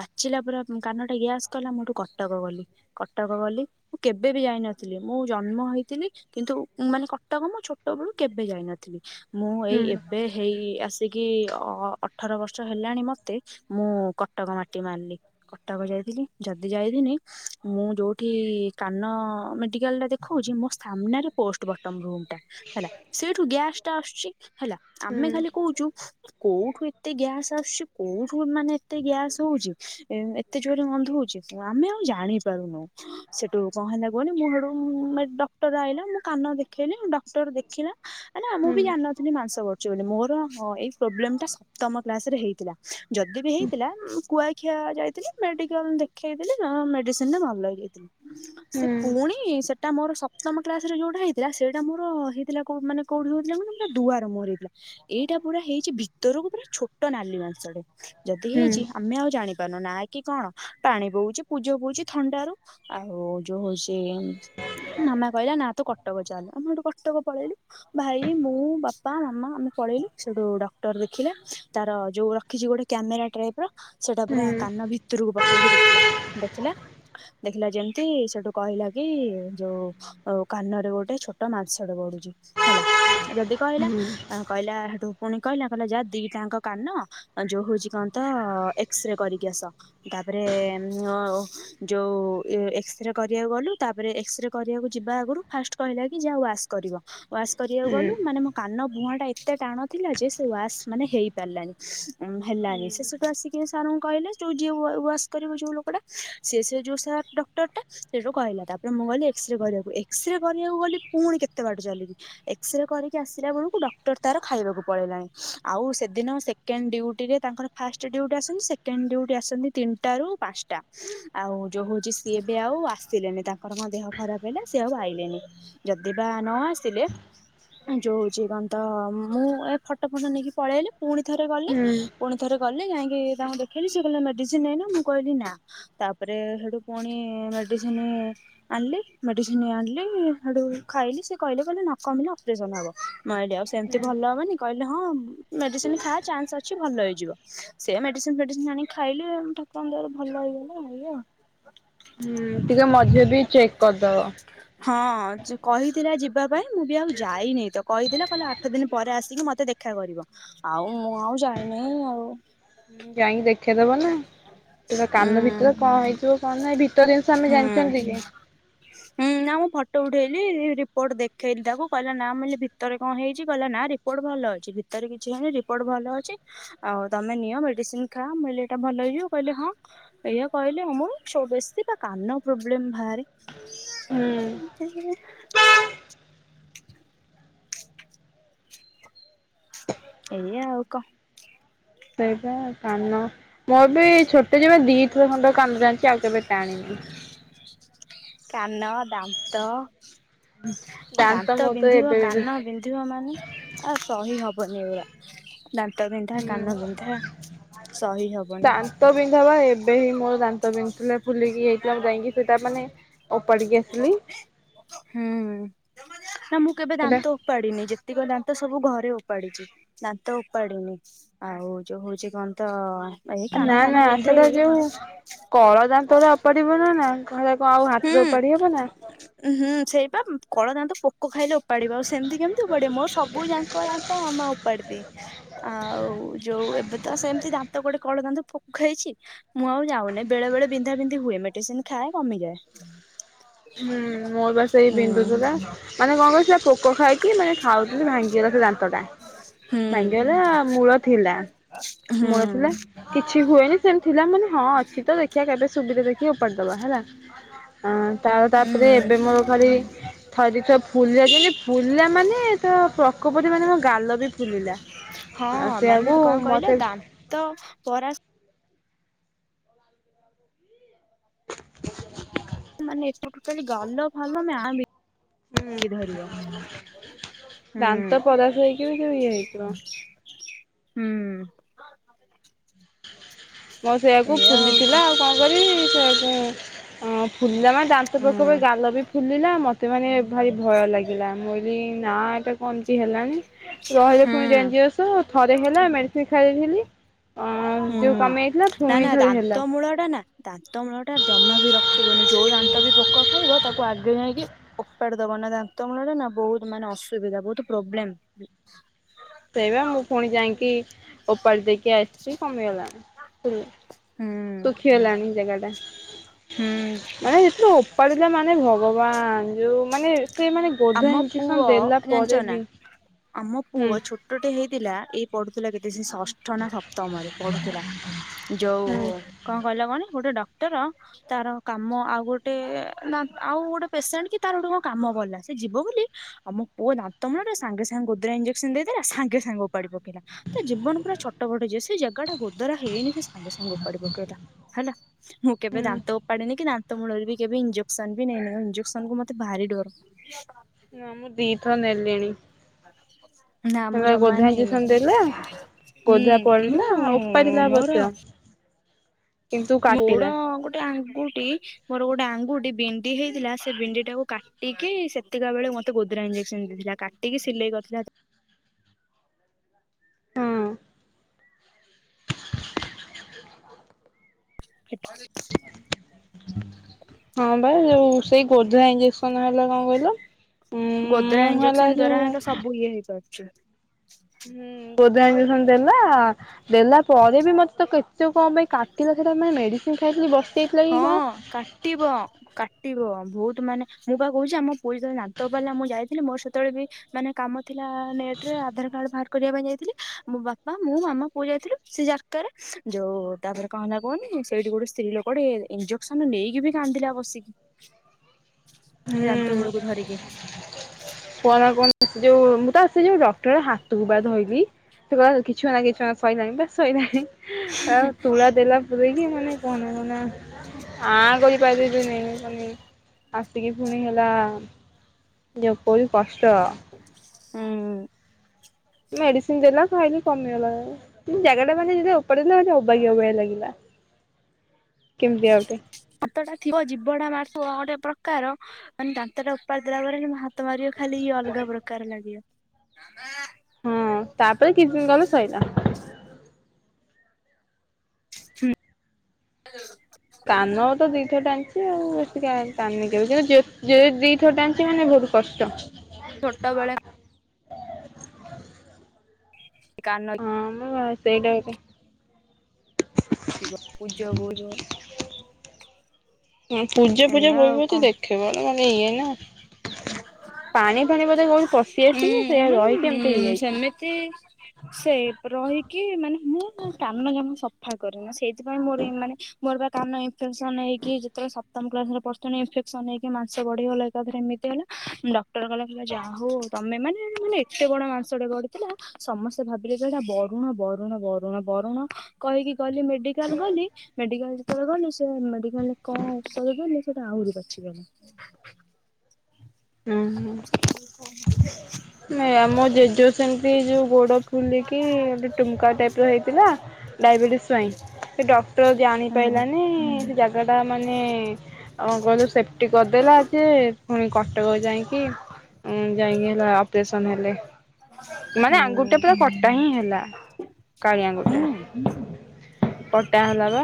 ପାଚିଲା ପରା କାନଟା ଗ୍ୟାସ୍ କଲା ମୁଁ ହେଠୁ କଟକ ଗଲି, କଟକ ଗଲି। ମୁଁ କେବେ ବି ଯାଇନଥିଲି, ମୁଁ ଜନ୍ମ ହେଇଥିଲି କିନ୍ତୁ ମାନେ କଟକ ମୁଁ ଛୋଟବେେଳୁ କେବେ ଯାଇନଥିଲି। ମୁଁ ଏଇ ହୁଁ ଏବେ ହେଇ ଆସ୍ ସେ କି-ଇ-ଇ-ଇ ଅ-ଅ-ଅଠର ବର୍ଷ ହେଲାଣି ମତେ ମୁଁ କଟକ ମାଟି ମାଡିଲି କଟକ ଯାଇ [inaudible] ଯଦି ଯାଇଥାନ୍ତି ମୁଁ ଯୋଉଠି କାନ-ଅ-ଅ ମେଡିକାଲରେ ଦେଖଉଛି ମୋ ସାମ୍ନାରେ ପୋଷ୍ଟବର୍ଟମ ରୁମ୍। [inaudible] ହେଲା ସେଇଠୁ ଗ୍ୟାସଟା ଆସୁଛି। ହେଲା, ହୁଁ ଆମେ ଖାଲି କହୁଛୁ କୋଉଠୁ ଏତେ ଗ୍ୟାସ୍ ଆସୁଛି କୋଉଠୁ ମାନେ ଏତେ ଗ୍ୟାସ୍ ହଉ [inaudible] ଏତେ ଜୋରରେ ଗନ୍ଧ ହଉଛି, ଆମେ ଆଉ ଜାଣି ପାରୁନୁ ସେ ହେଠୁ କଣ ହେଲା କୁହନି ମୁଁ ସେଠୁ ସେ ଡକ୍ଟର ଆଇଲା ମୁଁ କାନ ଦେଖେଇଲିି ଡକ୍ଟର ଦେଖିଲା [inaudible] [inaudible] ମୁଁ ବି ହୁଁ। ଜାଣିନଥିଲି ମାଂସ ବଢ଼ୁଛି ବୋଲି, ମୋର ମୋ ଏଇ ପ୍ରୋବ୍ଲେମଟା ସପ୍ତମ କ୍ଲାସ୍ ରେ ହେଇଥିଲା ଯଦିବି ହେଇଥିଲା ଉଁ-ଉଁ କୁଆଖିଆ ଯାଇଥିଲି ମେଡିକାଲ୍ ଦେଖେଇଦେଲି [inaudible] ମେଡିସିନରେ ଭଲ ହେଇଯାଇଥିଲି। ହୁଁ ସେ ପୁଣି ସେଟା ମୋର ସପ୍ତମ କ୍ଲାସରେ ଯୋଉଟା ହେଇଥିଲା ସେଇଟା ମୋର ହେଇଥିଲା କୋଉ ମାନେ କୋଉଠି [inaudible] ହେଇଥିଲା କହନି ପୁରା ଦୁଆର ମୁହଁରେ ହେଇଥିଲା, ଏଇଟା ପୁରା ହେଇଛି ଭିତରକୁ ପୁରା ଛୋଟ ନାଲି ମାଂସଟେ। ଯଦି ହୁଁ ହୁଁ ହେଇଛି ଆମେ ଆଉ ଜାଣିପାରୁନୁ, ନା କି କଣ ପାଣି ବୋଉଛି ପୂଜ ବୋଉଛି ଥଣ୍ଡାରୁ। ଆଉ ଯୋଉ ସେ ମାମା କହିଲା ନା ତୁ କଟକ ଚାଲେ ଆମେ ଶେଟୁ କଟକ ପଳେଇଲୁ ଭାଇ ମୁଁ ବାପା ମାମା ଆମେ। ପଳେଇଲୁ ସେଉଟୁ ଡକ୍ଟର ଦେଖିଲା ତାର ଯୋଉ ରଖିଛି ଗୋଟେ କ୍ୟାମେରା ଟାଇପ ର ସେଟା ପୁରା କାନ। ହୁଁ କାନ ଭିତରକୁ ପକେଇକି ଦେଖିଲା ଦେଖିଲା। ଦେଖିଲା ଯେମିତି ସେଠୁ କହିଲା କି ଯୋଉ କାନରେ ଗୋଟେ ଛୋଟ ମାଂସ ଟେ ବଢୁଛି। ହେଲା ଯଦି କହିଲା କହିଲା ସେଠୁ ପୁଣି କହିଲା କହିଲା ଯାହା ଦିଟାଆଙ୍କ କାନ। ଯୋଉ ହଉଛି କଣ ତ ଏକ୍ସରେ କରିକି ଆସ ତାପରେ ଓ ଯୋଉ। ଏ ଏକ୍ସରେ କରିବାକୁ ଗଲୁ ତାପରେ ଏକ୍ସରେ କରିବାକୁ ଯିବା ଆଗରୁ ଫାଷ୍ଟ କହିଲା କି ଯା‌ ୱାସ କରିବ। ୱାସ୍ କରିଆକୁ ହୁଁ ଗଲୁ ମାନେ ମୋ କାନ। ମୁଁହା ଟା ଏତେ ଟାଣ ଥିଲା ଯେ ସେ ୱାସ ମାନେ ହେଇ ପାରିଲାନି ହେଲାନି ହୁଁ ସେ ସେଠୁ ଆସିକି ସେମାନ ଙ୍କୁ କହିଲେ ଯୋଉ ଯିଏ ୱାସ କରିବ ଯୋଉ ଲୋକଟା ସେ ସେ ଯୋଉ ସାର୍। ଡକ୍ଟରଟା ସେଇଠୁ କହିଲା ତାପରେ ମୁଁ ଗଲି ଏକ୍ସରେ କରିବାକୁ ଏକ୍ସରେ କରିବାକୁ ଗଲି ପୁଣି କେତେ ବାଟ ଚାଲିକି। ଏକ୍ସରେ କରିକି ଆସିଲା ବେଳକୁ ଡକ୍ଟର ତାର ଖାଇବାକୁ ପଳେଇଲାଣି ଆଉ ସେଦିନ ସେକେଣ୍ଡ ଡ୍ୟୁଟି। ରେ ତାଙ୍କର ଫାଷ୍ଟ ଡିଉଟି ଆସନ୍ତି ସେକଣ୍ଡ ଡିଉଟି ଆସନ୍ତି ତିନିଟା ରୁ ପାଂଶଟା ଆଉ ଜୋଉ ହୁଉଛି। ସିଏ ଏବେ ଆଉ ଆସିଲେନି ତାଙ୍କର କଁ ଦେହ ଖରାପ ହେଲା ସିଏ ଆଉ ଆଇଲେନି ଯଦି ବା ନ ଆସିଲେ। ଯୋଉ ହଉଛି କଣ ତ ମୁଁ ଏ ଫଟ ଫଟ ନେଇକି ‌। ପଳେଇଲି ପୁଣି ଥରେ ଗଲି ହୁଁ ପୁଣି ଥରେ ଗଲି। ଗଲି ଯାଇଁକି ତାଙ୍କୁ ଦେଖେଇଲି ସେ କହିଲେ ମେଡିସିନ ନେଇନ ମୁଁ କହିଲି ନା ତାପରେ ହେଠୁ। ପୁଣି ମେଡିସିନ ଆଣିଲି ମେଡିସିନ ଆଣିଲି ହେଟୁ ଖାଇଲି ସେ କହିଲେ କହିଲେ। ନ କମିଲେ ଅପରେସନ ହବ ମୁଁ ଆଇଲି ଆଉ ସେମିତି ହୁଁ। ଭଲ ହବନି କହିଲେ। କହିଲେ ହଁ ମେଡିସିନ ଖା ଚାନ୍ସ ଅଛି ଭଲ ହେଇଯିବ ସେ ମେଡିସିନ ଫେଡିସିନ ଆଣି ଖାଇଲି ଠାକୁ କୁରଙ୍କ ଦୟା ରୁ ଭଲ ହେଇଗଲା ଏଇଆ। ହୁଁ ଟିକେ ମଝୀରେ ବି ଚେକ୍ କରିଦବ। ହଁ ଜ କହିଥିଲା ଯିବା ପାଇଁ ମୁଁ ବି ଆଉ ଯାଇନି ତ କହିଥିଲା କହିଲା ଆଠ ଦିନ ପରେ ଆସିକି ମତେ ଦେଖ ଦେଖା କରିବ ଆଉ ମୁଁ ଆଉ ଯାଇନି ଆଉ। ହୁଁ ଯାଇଁକି ଦେଖେଇଦବ ନା। ତୁମ ଉଁ କାନ ଭିତର କଣ ହେଇଥିବ କଣ ନାହିଁ ଭିତର ଜିନିଷ ଆମେ ହୁଁ। ଜାଣିଛନ୍ତି କି। ହୁଁ ନା ମୁଁ ଫଟୋ ଉଠେଇଲି ରିପୋର୍ଟ ଦେଖେଇଲି ତାକୁ କହିଲା ନା ମୁ କହିଲି ଭିତରେ କଣ ହେଇଛି କହିଲା ନା। ନା ରିପୋର୍ଟ ଭଲ ଅଛି ଭିତରେ କିଛି ହେଇନି ରିପୋର୍ଟ ଭଲ ଅଛି ଆଉ ତମେ ନିଅ ମେଡିସିନ ଖାଆ। ଇଟା ଭଲ ହେଇଯିବ କହିଲେ ହଁ ଏଇଆ କହିଲେ ମୋର ବା ଛୋ ବେଶୀ ବା କାନ ପ୍ରୋବଲେମ୍ ଭାରେ। ହୁଁ। ଆରେ ଏଇଆ ଆଉ କଁ। ସେଇବା କାନ ମୋର ବି ଛୋଟ ଯେବେ ଦି ଥର ଖଣ୍ଡେ। କମି ଜାଣିଚି ଆଉ କେବେ ଟାଣିନି। କାନ ଦାନ୍ତ। ଦାନ୍ତ ମୋର ତ ବିନ୍ଧିବ ଏବେ ହୁଁ। କାନ ବିନ୍ଧିବ ମାନେ ଆଉ ସହି ହବନି ଏଗୁରା। ହୁଁ ସହି ହବନି ଦାନ୍ତ ବିନ୍ଧାବା ଏବେ ହିଁ। ମୋର ଦାନ୍ତ ବିିନ୍ଧୁଥିଲା ଫୁଲିକି ଇଏ ହେଇଥିଲା ମୁଁ ଯାଇକି ସେଇଟା ମାନେ ଓପାଡିକି ଆସିଲି। ହୁଁ। ନା ମୁଁ କେବେ‌ ସେଟା ଦାନ୍ତ ଓପାଡ଼ି ନି। ଯେତିକ ଦାନ୍ତ ସବୁ ଘରେ ଉପାଡିଛି ଦାନ୍ତ ଉପାଡିନି ଆଉ ଯୋଉ ହଉଛି କଣ ତ। ଏଇ କାନ ନା ନା ଫାନ ବିନ୍ଧେ ସେଟା ଏଇୟା। ଯୋଉ କଳ ଦାନ୍ତ ଗୁରା ଓପାଡି ବନା ନା ଶେଗୁରା କଁ ଆଉ ହାତରେ ଉପାଡି ହବ ନା। ସେଇ ବା କଳ ଦାନ୍ତ ପୋ କ ଖାଇଲେ ଓପାଡିବ ଆଉ ସେମିତି କେମିତି ଓପାଡିବ ମୋର ସବୁ ଯାଙ୍କ ଦାନ୍ତ ମାମା ଓପାଡି ଦିଏ ଆଉ। ଯୋଉ ଏବେ ତ ସେମିତି ଦାନ୍ତ ଗୋଟେ କଳ ଦାନ୍ତ ପୋ କ ଖାଇଛି ମୁଁ ଆଉ ଯାଉନି ବେଳେ ବେଳେ ବିନ୍ଧା ବିନ୍ଧି ହୁଏ ମେଡିସିନ ଖାଏ। କମିଯାଏ ହୁଁ ମୋର ବା ସେଇ ହୁଁ। ବିନ୍ଧୁଥିଲା ମାନେ କଣ କହିଲୁ ସେ ପୋକ ଖାଇକି ମାନେ ଖାଉଥିଲି ଭାଙ୍ଗିଗଲା ସେ ଦାନ୍ତ ଟା ହୁଁ। ଭାଙ୍ଗିଗଲା ମୂଳ। ଥିଲା। ହୁଁ ମୂଳ ଥିଲା କିଛି ହୁଏନି ସେମତି ଥିଲା ମୁଁ କଇଲି ହଁ ଅଛି ତ ଦେଖିବା କେବେ ସୁବିଧା ଦେଖିକି ଓପାଡି ଦବା। ହେଲା ତା ତାପରେ ହୁଁ ଏବେ ମୋର ଖାଲି ଥରେ ତ ଫୁ ଫୁଲିଲା ଯେମିତୀ ଫୁଲିଲା ମାନେ ତ ପ୍ରକୋପରେ ମାନେ ମୋ ଗାଲ ବି ଫୁଲିଲା। ହଁ ଆଉ ମାନେ ସେଆକୁ କଣ କହିଲ ମତେ ଦାନ୍ତ ପରାସ୍ ହୁଁ [unintelligible] ହୁଁ ଦାନ୍ତ ପରାଶହେଇକି ବି ଯୋଉ ଇଏ ହେଇଯିବ। ହୁଁ। ମୋ ସେଇଆକୁ ଏଇଆ ଫୁଲିଥିଲା କ ଆଉ କଣ କରିବି ସେଆକୁ ହଁ ଫୁଲିଲା ମାନେ ଦାନ୍ତ ହୁଁ ପଖକୁ ଗାଲ ବି ଫୁଲିଲା ମତେ ମାନେ ଭାରି ଭୟ ଲାଗିଲା ମୁ କହିଲି ନା ଏଟା କଣ ଏମତି ହେଲାଣି ରହିଲେ ହୁଁ ଫୁଣି ଡେଞ୍ଜରୀୟସ ଥରେ ହେଲା। ଶ ଖାଇଥିଲି। ହୁଁ ନା ନା ଥରେ ହେଲା ଦାନ୍ତ ମୂଳ ଟା ନା ଦାନ୍ତ ମୂଳଟା। ଜମା ବି ରଖିବୁନି ଯୋଉ ଦାନ୍ତ ବି ପୋକ ଖାଇବ ତାକୁ ଆଗେ ଯାଇକି ଓପାଡ଼ି ଦବ ନା ଦାନ୍ତ ମୂଳଟା ନା। ବୋହୁତ ମାନେ ଅସୁବିଧା ବୋହୁତ୍ ପ୍ରୋବ୍ଲେମ। ସେଇବା ମୁଁ ପୁଣି ଯାଇକି ଓପାଡ଼ି ଦେଇକି ଆସିଛି କମିଗଲାଣି। ତୁ ହୁଁ ତୁଃଖି ହେଲାଣି ଜାଗା ଟା। ହୁଁ ମାନେ ଯେତେବେଳେ ଓପାଡ଼ିଦେଲା ମାନେ ଭଗବାନ। ଯୋଉ ମାନେ ସେ ମାନେ ଆମ ଗୋଧୋରା ପୁଅ ଇଞ୍ଜେକ୍ସନ ଦେଲା ଜାଣିଛ ପରେ ନା ବି। ଆମ ହୁଁ ପୁଅ ଛୋଟଟେ ହେଇଥିଲା ଏଇ ପଢୁଥିଲା କେତେ ସେ ସ ଅଷ୍ଟ ନା ସପ୍ତମରେ ପଢ଼ୁଥିଲା ଯୋଉ ହୁଁ କଣ କହିଲା କାହନୀ ଗୋଟେ ଡ କ୍ଟର ତାର କାମ ଆଉ ଗୋଟେ ଆଉ ଗୋଟେ ପେସେଣ୍ଟ କି ତାର ଗୋଟେ କଣ କାମ ପଡ଼ିଲା ସେ ଯିବ ବୋଲି ଆମ ପୁଅ ଦାନ୍ତ ମୂଳଟା ସାଙ୍ଗେ ସାଙ୍ଗେ ଗୋଦ୍ରା ଇ୍ଜେକ୍ସନ ଦେଇଦେଲା ସାଙ୍ଗେ ସାଙ୍ଗ ଓପାଡ଼ି ପକେଇଲା ତା ଜୀବନ ପୁରା ଛଟ ପଟ ଯିଏ ସେ ଜାଗା ଟା ଗୋଦରା ହେଇନି ସେ ସାଙ୍ଗେ ସାଙ୍ଗେ ଓପାଡ଼ି ପକେଇଲା ହେଲା ମୁଁ କେବେ ହୁଁ ଦାନ୍ତ ଓପାଡିନି କି ଦାନ ମୂଳରେ ବି କେବେ ଇଞ୍ଜେକ୍ସନ ବି ନ ଇଞ୍ଜେକ୍ସନକୁ ମତେ ଭାରି ଡର। ନାଁ ମୁଁ ଦି ଥର ନେଲିଣି। ନା ମୁଁ ହେଲା ଜମା ଗୋଧା ନେଇନି। ଇଞ୍ଜେକ୍ସନ ଦେଲା ଗୋଧା ହୁଁ ପଡିଲା ମୁଁ ଓପାରିଲା ମୋର ଅବଶ୍ୟ କିନ୍ତୁ ମୋ ଗୋଡ଼ କାଟିଲା ଗୋଟେ ଆଙ୍ଗୁଟି ମୋର ଗୋଟେ ଆଙ୍ଗୁଟି ବିଣ୍ଡି ହେଇଥିଲା ସେ ବିଣ୍ଡି ଟାକୁ କାଟିକି ସେତିକା ବେଳୁ ମତେ ଗୋଦ୍ରା ଇଞ୍ଜେକ୍ସନ ଦେଇଥିଲା କାଟିକି ସିଲେଇ [unintelligible] ହଁ [unintelligible] ହଁ ବା ଯୋଉ ସେଇ ଗୋଦରା ଇଞ୍ଜେକ୍ସନ ହେଲା କଣ କହିଲ। ଉଁ ଗୋଦ୍ରା ମୁଁ ହେଲା ଇଞ୍ଜେକ୍ସନ ଦ୍ଵାରା ଯୋଉ ହ ତ ସବୁ ଇଏ ହେଇପାରୁଛି। ହୁଁ ଗୋଦରା ଇଞ୍ଜେକ୍ସନ ଦେଲା ଦେଲା ପରେ ଏବେ ବି ମୋତେ ତ କେତେ କଣ ପାଇଁ କାଟିଲା ସେଇଟା ପାଇଁ ମେଡ଼ି ହଁ କାଟିବ କାଟିବ। ବହୁତ ମାନେ ମୁଁ ବା କହୁଛି ଆମ ପୁଅ ଯେତେବେଳେ ଦାନ୍ତ ଓପାଡ଼ିଲା ମୁଁ ଯାଇଥିଲି ମୋର ସେତେବେଳେ ବି ମାନେ କାମ ଥିଲା ନେଟ ରେ ଆଧାର କାର୍ଡ ବାହାର କରିବା ପାଇଁ ଯାଇଥିଲି ମୋ ବାପା, ମୁଁ, ମାମା ପୁଅ ଯାଇଥିଲୁ ସେ ଯାର୍କାରେ, ଯୋଉ ତାପରେ କଣ ହେଲା କୁହନି? ସେଇଠି ଗୋଟେ ସ୍ତ୍ରୀ ଲୋକଟେ ଇଞ୍ଜେକ୍ସନ ନେଇକି ବି କାନ୍ଦିଲା କସିକି। ହୁଁ ଦାନ୍ତମୂଳକୁ ଧରିକି। କଣ କଣ ଯୋଉ ମୁଁ ତା ସେ ଯୋଉ ଡକ୍ଟର ହାତକୁ ବା ଧଇଲିି। ସେ କହିଲା କିଛି ହୋନା କିଛି ହୋନା ଶଇଲାଣି ପା ଶଇଲାଣି। ଆଉ ତୁଳା ଦେଲା ପୁରଇକି ମାନେ କୁହନା କୁହନା ଆ କର [unintelligible] ଆସିକି ପୁଣି ହେଲା ଯେପରି କଷ୍ ହୁଁ। ମେଡିସିନ ଦେଲା ଖାଇଲୁ କମିଗଲା, ଜାଗା ଟା ମାନେ ଯେମିତି ଓପାଡ଼ି ଦେଲେ ମାନେ ଅବାଗିଆ ଅବାଗିଆ ଲାଗିଲା। [inaudible] କେମିତିଆ ଗୋଟେ। ଦାନ୍ତଟା ଥିବ ଜୀଭଟା ମାରୁଥିବ ଗୋଟେ ପ୍ରକାର, ମାନେ ଦାନ୍ତଟା ଓପାରି ଦେଲା ପରେ ମତେ ମାରିବ ଖାଲି ଅଲଗା ପ୍ରକାର ଲାଗିବ। ହୁଁ ତାପରେ କିଛି ଦିନ ଗଲେ ସରିଲା। ହୁଁ। କାନ ତ ଦିଥର ଟାଣିଛି ଆଉ ଏତିକି ଆଉ ଟାଣନି କେବେ ଯଉ ଯଉ ଦିଥର ଟାଣିଛି ମାନେ ବହୁତ କଷ୍ଟ। ଛୋଟବେଳେ [unintelligible] ସେ କାନ ହଁ ବା ସେଇଟା ଗୋଟେ। ଥିବ ପୂଜ ବୋହିବ। ହୁଁ ପୂଜ ଫୁଜ ଏଇଆ ଆଉ ବୋହିବ ତ କଣ ଦେଖେଇବ ନହେଲେ ଇଏ ନା। ପାଣି ଫାଣି ବୋଧେ କୋଉଠି ପଶି ହୁଁ ଆସିିକି ସେ ରହିକି ଏମିତି ହେଇଯାଇଛି। ସେପ ରହିକି ମାନେ ମୁଁ ନା କାନ ଜମା ସଫା କରେନି ସେଇ ସେଥିପାଇଁ ମୋର ଇଏ ମାନେ ମୋର ପା କାନ ଇନଫେକସନ ହେଇକି ଯେତେବେଳେ ସପ୍ତମ କ୍ଲାସରେ ପଢୁଥୁନି ଇନଫେକ୍ସନ ହେଇକି ମାଂସ ବଢିଗଲେ ଏକାଥରେ ଏମି ସେତେବେଳେ ନା ଡକ୍ଟର କହିଲା କହିଲା ଯାହା ହଉ ତମେ ମାନେ [unintelligible] ମାନେ ଏତେ ବଡ ମାଂସ ଟେ ବଢ଼ିଥିଲା ସମସ୍ତେ ଭାବିଲେ ଯେ ଏଇଟା ବରୁଣ ବରୁଣ ବରୁଣ ବରୁଣ କହିକି ଗଲି ମେଡିକାଲ ଗଲି ମେଡିକାଲ ଯେତେବେଳେ ଗଲି ସେ ମେଡିକାଲରେ କଣ ଔଷଧ ଦେଲେ ସେଟା ଆହୁରି ପାଚିଗଲା। ଅ ହଁ। [inaudible] ନାଇ ଆମ ଜେଜ ସେମିତି ଯୋଉ ଗୋଡ ଫୁଲିକି ଏମିତି ଟୁମକା ଟାଇପ ର ହେଇଥିଲା। ଡାଇବେଟିସ୍ ପାଇଁ ସେ ଡକ୍ଟର ହୁଁ ଜାଣିପାଇଲାନି ସେ ଟା ମାନେ ଅ ଗଲୁ ସେଫଟି କରିଦେଲା ଯେ ପୁଣି କ ବେଳ ଯାଇକି ଉଁ ଯାଇଁକି ହେଲା ଅପରେସନ ହେଲେ। ମାନେ ହୁଁ ଆଙ୍ଗୁଠି ଟା ପୁରା କଟା ହିଁ ହେଲା କାଳି ଆଙ୍ଗୁଠିଟା। ହୁଁ। କଟା ହେଲା ବା।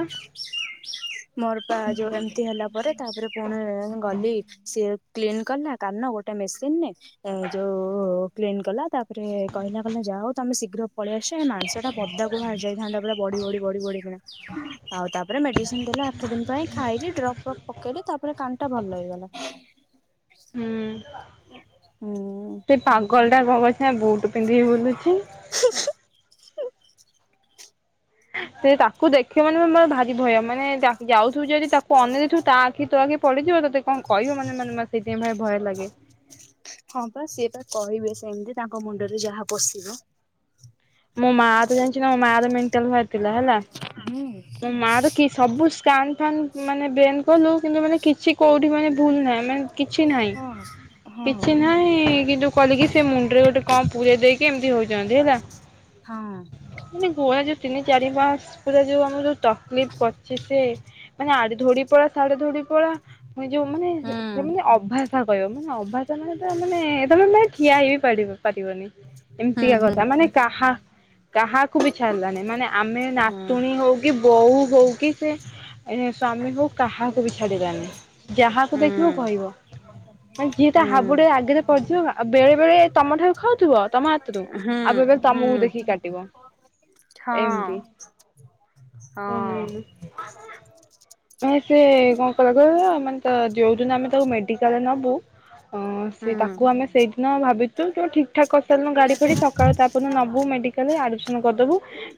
ମୋର ପା ଯୋଉ ଏମିତି ହେଲା ପରେ ତାପରେ ପୁଣି ଗଲି ସିଏ କ୍ଲିନ କଲା କାନ ଗୋଟେ ମେସିନରେ ଏ ଯୋଉ। କ୍ଲିନ୍ କଲା ତାପରେ କହିଲା କହିଲା ଯାହା ହଉ ତମେ ଶୀଘ୍ର ପଳେଇଆସ ତି ଏଇ ମାଂସ ଟା ପଦାକୁ ବାହାରି ଯାଇଥାନ୍ତା ପୁରା ବଢି ବଢି ବଢି ବଢି କିନା ଆଉ ତାପରେ ମେଡି ଦେଲେ ଆଠ ଦିନ ପାଇଁ ଖାଇଲି ଡ୍ରପ୍ ଫ୍ରପ୍ ପକେଇଲି ତାପରେ କାନ ଟା ଭଲ ହେଇଗଲା। ହୁଁ। ହୁଁ। କଲଟା କଣ କରିଚି ନା ବୁଟୁ ପିନ୍ଧିକି ବୁଲୁଛି। ହୁଁ। ସେ ତାକୁ ଦେଖେ ମାନେ ମୋ ମୋର ଭାରି ଭୟ ମାନେ ଯା-ଯାଉଥିବୁ ଯଦି ତାକୁ ଅନେଇ ଦେଇଥିବୁ ତା ଆଖି ତୋ ଆଖି ପଡିଯିବ ତ ସେ କଣ କହିବ ମାନେ ମାନେ ମାନେ ସେଇଥିପାଇଁ ଭାରି ଭୟ ଲାଗେ। ହଁ ପା ସିଏ ପା କହିବେ ସେମିତି ତାଙ୍କ ମୁଣ୍ଡରେ ଯାହା ପଶିବ। ମୋ ମା ତ ଜାଣିଛି ତାଙ୍କ ମୋ ମା ର ମେଣ୍ଟାଲ ବାହାରି ଥିଲା ହେଲା ହୁଁ ମୋ ମା ର କି ସବୁ ଷ୍ଟାଣ୍ଡ ଫ୍ୟାନ ମାନେ ବେନ କଲୁ କିନ୍ତୁ ମାନେ କିଛି କୋଉଠି ମାନେ ଭୁଲ ନା ନାହିଁ କିଛି ନାହିଁ ହଁ ହଁ କିଛି ନାହିଁ କିନ୍ତୁ କହିଲେ କି ସେ ମୁଣ୍ଡରେ ଗୋଟେ କଣ ପୁରେଇ ଦେଇ ଏମିତି ହଉଚନ୍ତି ହେଲା ହଁ ମାନେ ଘୋଳା ଯା ତିନି ଚାରି ମାସ ପୁରା ଯଉ ଆମକୁ ଯଉ ତକଲିଫ୍ କରିଛି ସିଏ ମାନେ ଆଡେ ଧୋଉଡି ପଳା ସାଡେ ଧୋଉଡିକି ପଳା ପୁଣି ଯଉ ମାନେ ଏ ହୁଁ ସେମିତି ଅଭା ସା କହିବ ମାନେ ଅଭା ତମେ ତ ମାନେ ତମେ ମାନେ ଠିଆ ହେଇ ବି ପାରିବ ପାରିବନି ହୁଁ ଏମିତିକା କଥା ହୁଁ ମାନେ କାହା କାହାକୁ ବି ଛାଡ଼ିଲାନି ମାନେ ଆମେ ହୁଁ ନାତୁଣୀ ହଉ କି ବୋଉ ହଉ କି ସେ। ଏଇନେ ସ୍ଵାମୀ ହଉ କାହାକୁ ବି ଛାଡିଲାନି ଯାହାକୁ ଦେଖିବ କହିବ। ମାନେ ଯିଏ ତା ହୁଁ ହାବୁଡେ ଆଗରେ ପଡିଯିବ ଆ ଆଉ ବେଳେ ବେଳେ ତମଠାରୁ ଖାଉଥିବ ତମ ହା ହୁଁ ଆଉ ବେ ବେ ହୁଁ ତମକୁ ହୁଁ ଦେଖିକି କାଟିବ ହଁ ଏମିତି ହୁଁ ହଁ [unintelligible] ମାନେ ସେ କଣ କଲା କହିଲ ମାନେ ତା ଯଉଦିନ ଆମେ ତାକୁ ମେଡିକାଲ ନବୁ ହଁ ସେ ହୁଁ। ତାକୁ ଆମେ ସେଇଦିନ ଭାବିଥିଲୁ ସବୁ ଠିକ୍ ଠିକ୍ ଠାକ କରିସାରିଲୁଣି ଗାଡି ଫାଡି ସକାଳୁ ତାପରଦିନ ନବୁ ମେଡିକ ଆଡ଼ମିଶନ କରିଦବୁ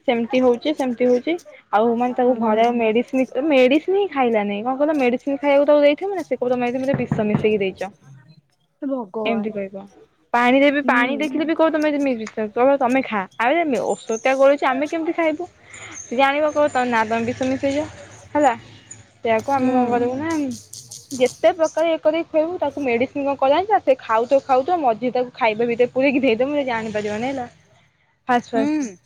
ସେମିତି ହଉଛି ସେମିତି ହଉଛି ଆଉ ମାନେ ତାକୁ ହୁଁ ଘରେ ଆଉ ମେଡିସିନ ମେଡିସିନ ନି ଖାଇଲା ନାଇ କଣ କହିଲ ମେଡିସିନ ଖାଇବାକୁ ତାକୁ ଦେଇଥିବୁ ନା ସେ କହିବ ତମେ ଏଥିରେ ମତେ ବିଷ ମିଶେଇକି ଦେଇଚ। ଏମିତି ଭଗବାନ। କହିବ ପାଣି ଦେବି ହୁଁ ପାଣି ଦେଖିଲେ ବି କହିବ ତମେ ଏଥି [unintelligible] କହିବ ତମେ ଖା। [unintelligible] ଔଷଧ ଟା ଗୋଳେଇଛୁ ଆମେ କେମିତି ଖାଇବୁ ଜାଣିବ କହିବ ତମେ ନା ତମେ ବିଷ ମିିସେଇଚ ହେଲା ସେୟାକୁ ଆମେ କଣ ହୁଁ କରିବୁ ନା ଯେତେ ପ୍ରକାର ଇଏକରି ଖୁଆଇବୁ ତାକୁ ମେଡିସିନ କଣ କଲା ଜାଣିଚ ସେ ଖାଉଥ ଖାଉଥ ମଝିରେ ତାକୁ ଖାଇବା ଭିତରେ ପୁରେଇକିି ଦେଇଦମୁ ସେ ଜାଣିପାରିବନି ହେଲା। ଫାସ୍ ଫାସ୍ ହୁଁ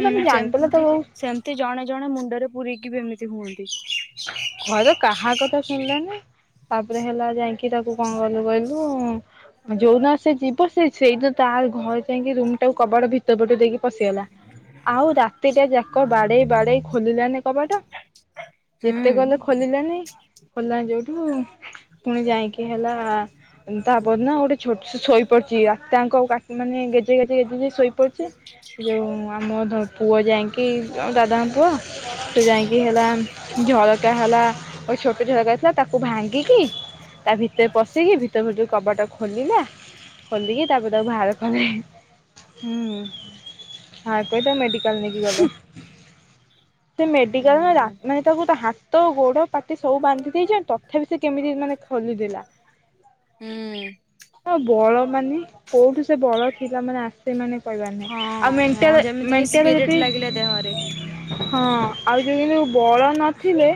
ହୁଁ ସେମତି ତାକୁ ସେମତି ଜଣେ ଜଣେ ମୁଣ୍ଡରେ ପୁରେଇକି ବି ଏମିତି ହୁଅନ୍ତି। ଘରେ କାହା କଥା ଶୁଣିଲାନି। ତାପରେ ହେଲା ଯାଇଙ୍କି ତାକୁ କଣ କଲୁ କହିଲୁ ଯୋଉଦିନ ସେ ଯିବ ସେ ସେଇ ସେଇଦିନ ତାର ଘରେ ଯାଇକି ରୁମ ଟାକୁ କବାଟ ଭିତରପଟୁ ଦେଇକି ପଶିଗଲା ଆଉ ରାତିଟା ଯାକ ବାଡେଇ ବାଡେଇ ଖୋଲିଲାନି କବାଟ ହୁଁ ଯେତେ ଗଲେ ଖୋଲିଲାନି ଖୋଲିଲାନି ଯୋଉଠୁ ପୁଣି ଯାଇକି ହେଲା ତାପର ଦିନ ଗୋଟେ ଛୋଟ ସେ ଶୋଇପଡିଛି ରାତିଟାଙ୍କ କାଟ୍ ମାନେ ଗେଜେ ଗେଜେ ଗେଜ୍ ହେଇକି ଶୋଇପଡିଚି। ଯୋଉ ଆମ ଧ ପୁଅ ଯାଇଙ୍କି ଦାଦାଙ୍କ ପୁଅ ସେ ଯାଇକି ହେଲା ଝରକା ହେଲା ଗୋଟେ ଛୋଟ ଝରକା ଥିଲା ତାକୁ ଭାଙ୍ଗି ଗିକି ତା ଭିତରେ ପଶିକି ଭିତରେ ଭିତରୁ କବାଟା ଖୋଲିଲା ଖୋଲିକି ତାପ ତାକୁ ବାହାର କଲେ ହୁଁ ବାହାର କରି ତାକୁ ମେଡିିକାଲ ନେଇକି ଗଲେ ସେ ମେଡିିକଲ ନା ରା ହୁଁ ମୁଁ ତା ହାତ ଗୋଡ ପାଟି ସବୁ ବାନ୍ଧି ଦେଇଛନ୍ତି ତଥାପି ସେ କେମିତି ମାନେ ଖୋଲିଦେଲା। ଆଉ ବଳ ମାନେ କୋଉଠୁ ସେ ବଳ ଥିଲା ମାନେ ଆସେ ମାନେ କହିବାର ନାହିଁ ହଁ ଆଉ ହଁ ମେଣ୍ଟାଲ ଯେମିତି କିି ମେଣ୍ଟାଲ ସ୍ପିରିଟ ଜେତି ଲାଗିଲେ ଦେହରେ। ହଁ ଆଉ ଯଉ ଏ ଯୋଉ ବଳ ନ ଥିଲେ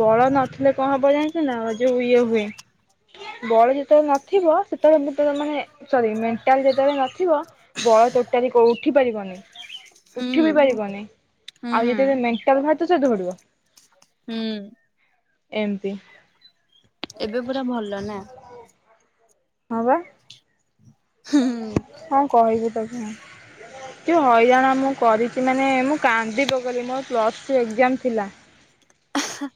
ବଳ ନଥିଲେ କଣ ହବ ଜାଣିଛ ନା ଯୋଉ ଇଏ ହୁଏ। ବଳ ଯେତବେଳେ ନଥିବ ସେତବଳେ [unintelligible] ମାନେ ସରି ମେଣ୍ଟାଲ ଯେତେବେଳେ ନଥିବ ବ ଆଉ ଟୋଟାଲି କୋଉ ଉଠି ପାରିବନି। ହୁଁ ଉଠି ବି ପାରିବନି ଆଉ ହୁଁ। ଯେତେବେଳେ ମେଣ୍ଟାଲ ବହାରଥିବ ସେ ଦୌଡିବ। ହୁଁ ଏମତି ଏବେ ପୁରା ଭଲ ନା ହଁ ବା ହୁଁ ହୁଁ ଯୋଉ ହଇରାଣ ଆମକୁ କରିଚି ମାନେ ମୁଁ କାନ୍ଦିପକେଇଲି ମୋର ପ୍ଲସ୍ ଟୁ ଏକ୍ଜାମ୍ ଥିଲା। ଆହା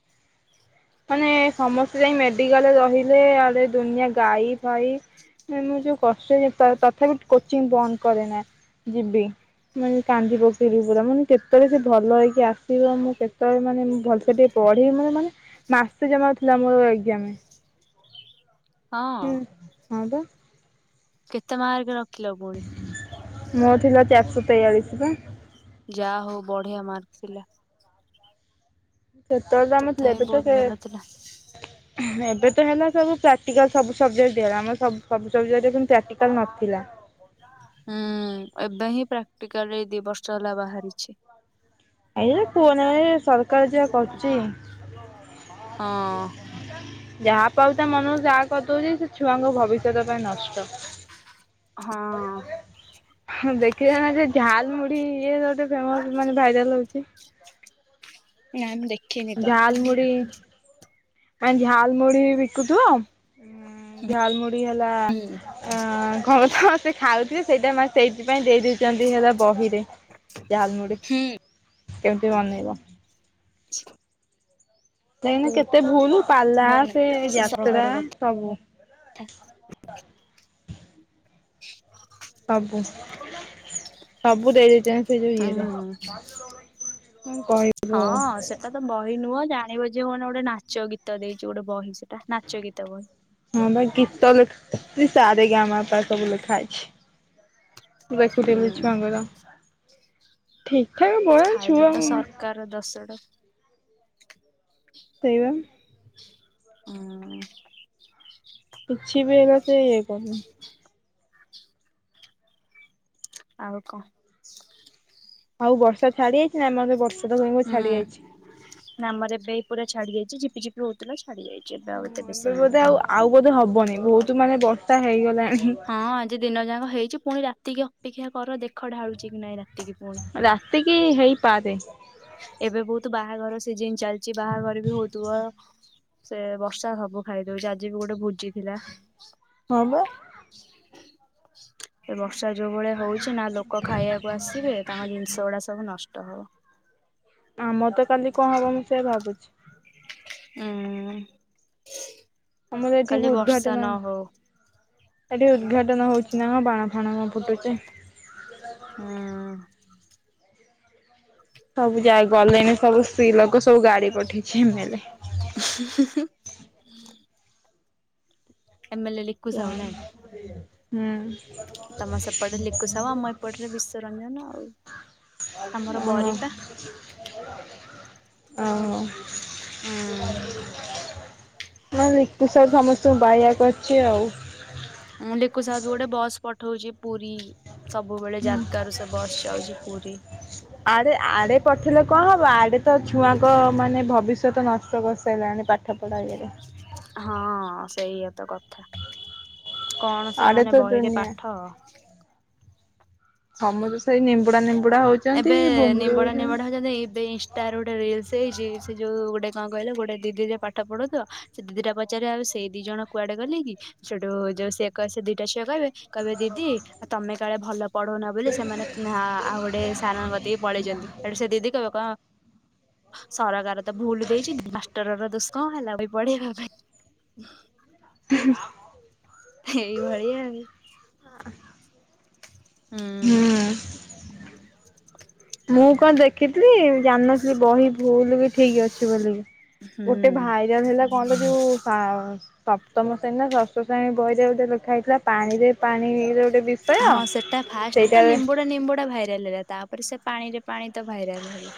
ମାନେ ସମସ୍ତେ ଯାଇଙ୍କି ମେଡିକାଲରେ ରହିଲେ ଆଡେ ଦୁନିଆ ଗାଈ ଫାଇ ମାନେ ମୁଁ ଯୋଉ କଷ୍ଟ ରେ ତଥାପି କୋଚିଂ ବନ୍ଦ କରେ ନା ଯିବି। ମାନେ କାନ୍ଦି ପକେଇବି ପୁରା ମାନେ କେତେବେଳେ ସେ ଭଲ ହେଇକି ଆସିବ ମୁଁ କେତବେଳେ ମାନେ ମୁଁ ଭଲସେ ଟିକେ ପଢ଼ିହମନି ମାନେ ମାସେ ଜମା ରୁ ଥିଲା ମୋର ଏକ୍ ଜାମେ। ହଁ ହଁ ବା କେତେ ମାର୍କ ରଖିଲ ପୁଣି? ମୋ ଥିଲା ଚାରିଶତେୟାଳିଶ ପା ଯା ହଉ ବଢିଆ ମାର୍କ ଥିଲା ସେତେବେଳେ ଆମେଥିଲୁ ତଥାପି ଏବେ ତ ବହୁତ ସେ ଭଲ ଥିଲା ଏବେ ତ ହେଲା ସବୁ ପ୍ରାକଟିକାଲ ସବୁ ସବଜେକ୍ଟ ଆମର ସବୁ ସବଜେକ୍ଟ କିନ୍ତୁ ପ୍ରାକ୍ଟିକାଲ ନଥିଲା। ହୁଁ ଏବେ ହିଁ ପ୍ରାକ୍ଟିକାଲ ଏଇ ଦି ବର୍ଷ ହେଲା ବାହାରିଛି। ଏଇ କୁହନା ଏ ସରକାର ଯା କରୁଚି ହଁ ଯାହା ପାଉ ତା ମନରୁ ତାହା କରିଦଉଚି ଛୁଆଙ୍କ ଭବିଷ୍ୟତ ପାଇଁ ନଷ୍ଟ। ହଁ ଦେଖିଲ ନା ସେ ଝାଲ ମୁଢି ଇଏ ଗୋଟେ ଫେମସ ମାନେ ଭାଇରାଲ ହଉଚି। ନାଇଁ ମୁଁ ଦେଖ ଝାଲମୁଡି ଆ ଝାଲମୁଢି ବିକୁଥିବ ଝାଲମୁଢ଼ି ହେଲା ହୁଁ ଉ କରୁଥିବ ସେ ଖାଉ କି ସେଇଟା ନାଁ ସେଇଥିପାଇଁ ଦେଇଦେଇଚନ୍ତି ହେଲା ବହି। କି ଝାଲମୁଢ଼ି ହୁଁ କେମତି ବନେଇବ? [inaudible] କାଇଁନା କେତେ ଭଲୁ ପାଲା କୁହନା ସେ ଯାତ୍ରା ସରକାର କଥା। ସବୁ। [inaudible] [inaudible] ସବୁ ସବୁ ଦେଇଦେଇଚନ୍ତି ସେ ଯଉ ହୁଁ ଇଏରେ। କଣ କହିବୁ ଆଉ ହଁ ସେଟା ତ ବହି ନୁହଁ? ଜାଣିବ ଯେ କଣ ଗୋଟେ ନାଚ ଗୀତ ଦେଇଚି ଗୋଟେ ବହି ସେଟା ନାଚ ଗୀତ ବହି। ହଁ ପା ଗୀତ ଲେଖି [unintelligible] ସାରେ ଗାମା ପା ସବୁ ଲେଖାହେଇଚି। ଦେଖୁଥିଲି ହୁଁ ଛୁଆଙ୍କର। ଠିକ ଠାକ ବା ଖାଇଲା ଛୁଆ ତ ଉଁ ସରକାର ଦଶଟା ସେଇବା ଉଁ କିଛି ବି ଏରା ସେ ହେଇପାରିବନି। ଆଉ କ? ଆଉ ବର୍ଷା ଛାଡି ଯାଇଚିନା ଆମ ପା ବର୍ଷା ତ କହି ହୁଁ ଛାଡି ଯାଇଛି। ନାଁ ଆମର ଏବେ ପୁରା ଛାଡି ଯାଇଚି ଝିପିଝିପି ହଉଥିଲା ଛାଡି ଯାଇଛି ଏବେ ଆଉ ଏତେ ହୁଁ ବେଶୀ ଏବେ ନାହିଁ ବୋଧେ ତ। ଆଉ ଆଉ ବୋଧେ ହବନି ବହୁତ ମାନେ ବର୍ଷା ହେଇଗଲା। ହଁ ଆଜି ଦିନ ଯାକ ହେଇଚ଼ି ପୁଣି ରାତି କିି ଅପେକ୍ଷା କର ଦେଖ ଢାଳୁଚ଼ି କି ନାଇଁ ରା ରାତି କିି ହେଇପାରେ। ସିଜିିନ୍ ଚାଲଚି ବାହାଘର ବି ହଉଥିବ? ସେ ବର୍ଷା ହବ ଖାଇଦଉଚ଼ି ଆଜି ବି ଗୋଟେ ଭୋଜି ଥିଲା। ହଁ ପା। ଏ ବ ର୍ଷା ଯୋଉ ଭଳିଆ ହଉଚ଼ି ନା ଲୋକ ଖାଇଆକୁ ଆସିବେ ତାଙ୍କ ଜିନିଷ ଗୁଡା ସବୁ ନଷ୍ଟ ହବ। ଆମର ତ କାଲି କଁ ହବ ମୁଁ ସେୟା ଭାବୁଚ଼ି? ହୁଁ [inaudible] ଆମର ଏଠି ଉଦ୍ଘାଟନ ଏଠି ଉଦ୍ଘାଟନ ହଉଚ଼ି ନା କଁ ବାଣ ଫାଣ କଁ ଫୁଟୁଚ଼ି? ହୁଁ ସବୁ ଯାଇପରିଲେନି ସବୁ। ସ୍ତ୍ରୀ ଲୋକ ସବୁ ଗାଡି ପଠେଇଛି ଏମେଲେ। ଏମଏଲଏ ଲିକୁ ସାହୁ ନାଇଁ କନ୍? ତମ ହୁଁ ସେପଟେ ଲିକୁ ସାହୁ ଆମ ଏପଟରେ ବିଶ୍ଵ [inaudible] ରଞ୍ଜନ ଆଉ ଅ [inaudible] ଆମର ବରିପା ଅହ। ଉଁ ନା ଲିକୁୁ ସାଉ ସମସ୍ତଙ୍କୁ ବାଏ ବାଏ କରିଚ଼ି ଆଉ। ଉଁ ଲିକୁ ସାହୁ ବି ଗୋଟେ ବସ୍ ପଠଉଚ଼ି ପୁରୀ। ସବୁବେଳେ ଜାରକା ରୁ ସେ ବସ୍ ଯାଉଚି ପୁରୀ। ଆଡ଼େ ପଠେଇଲେ କଣ ହବ ଆଡ଼େ ତ ଛୁଆଙ୍କ ମାନେ ଭବିଷ୍ୟତ ନଷ୍ଟ କରିସାଇଲାଣି ପାଠ ପଢା଼ [unintelligible] ହଁ ସେଇଆ ତ କଥା। କଣ ଆଡେ ତ ସେମାନେ ବହିରେ ଦୁନିଆ ପାଠ ସମସ୍ତେ ସେଇ ନିମ୍ବୁଡା ନିମ୍ବୁଡା ହଉଛନ୍ତି ଏବେ ବୁମ୍ବୁଡି ନିମ୍ବଡା ହଉଛନ୍ତି। ନିମ୍ବଡ଼ା ହଉଚନ୍ତି ଏବେ ଇନ୍‌ଷ୍ଟା ରୁ ଗୋଟେ ରିଲସ୍ [unintelligible] ଗୋଟେ କଣ କହିଲ ଗୋଟେ ଦିଦି ଯେ ପାଠ ପଢ଼ଉଥିବ ସେ ଦିଦି ଟା ପଚାରିବ ଆଉ ସେ ଦି ଜଣ କୁଆଡେ ଗଲେ କି ସେଠୁ ଯୋଉ ସିଏ [unintelligible] ସେ ଦିଟା ଝିଅ କହିବେ କହିବେ ଦିଦି ଆ ତମେ କାଳେ ଭଲ ପଢଉ ବୋଲି ସେମାନେ ହଁ ଆଉ ଗୋଟେ ସାର୍‌ଙ୍କ କତିକି ପଳେଇଚନ୍ତି ସେଠୁ ସେ ଦିଦି କହିବେ ସରକାର ତ ଭୁଲ୍ ଦେଇଚି ମାଷ୍ଟର ର ଦୋ କଣ ହେଲା ଭାଇ ପଢେଇବା ପାଇଁ। [unintelligible] ହେଇ ଭଳିଆ ଆଉ। ହୁଁ। ହୁଁ। ମୁଁ କଣ ଦେଖିଥିଲି ଜାଣିନଥିଲି ବହି ଭୁଲ୍ କି ଠିକ୍ ଅଛି ବୋଲିକି। ଗୋଟେ ହୁଁ ଭାଇରାଲ ହେଲା କଣ ତ ଯୋଉ ସା ସପ୍ତମ ଶ୍ରେଣୀ ନା ଷଷ୍ଠ ଶ୍ରେଣୀ ବହିରେ ଗୋଟେ ଲେଖା ହେଇଥିଲା ପାଣିରେ ପାଣି ଯୋ ହଁ ସେଟା ଫାଷ୍ଟ୍ ତ ନିମ୍ବୁଡା ନିମ୍ବୁଡା ଭାଇରାଲ ହେଲା ତାପରେ ସେ ପାଣିରେ ପାଣି ତ ଭାଇରାଲ ହେଲା।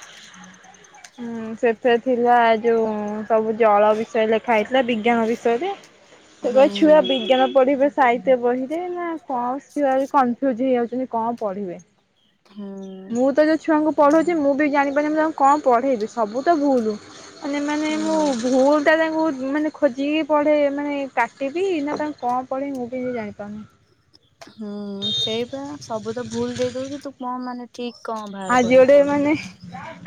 ଉଁ ସେଥିରେ ଥିଲା ଯୋଉ ସବୁ ଜଳ ବିଷୟରେ ଲେଖା ହେଇଥିଲା ବିଜ୍ଞାନ ବିଷୟରେ। [unintelligible] ହୁଁ। ଛୁଆ ବିଜ୍ଞାନ ପଢି଼ବେ ସାହିତ୍ୟ ବହିରେ ନା କଣ ଛୁଆ ବି କନଫ୍ୟୁଜ୍ ହେଇଯାଉଚନ୍ତି କଣ ପଢ଼ିବେ। ହୁଁ। ପଢଉଚି ମୁଁ ବି ଜାଣିପାରୁନି ମୁଁ ତାଙ୍କୁ କଣ ପଢେ଼ଇବି ସବୁ ତ ଭୁଲ୍। ମାନେ ମାନେ ହୁଁ ମୁଁ ଭୁଲ୍ ଟା ତା ଭୁଲ୍ ମାନେ ଖୋଜିକି ପଢେ ମାନେ କାଟିବି ନା ତାଙ୍କୁ କଣ ପଢେଇବି ମୁଁ ବି ଜାଣିପାରୁନି। ହୁଁ ସେଇପା ସବୁ ତ ଭୁଲ୍ ଦେଇଦଉଚି ତୁ କଣ ମାନେ ଠିକ କଣ ବାହାର ଆଜି କରିକି ଗୋଟେ ପଢେଇବୁ ମାନେ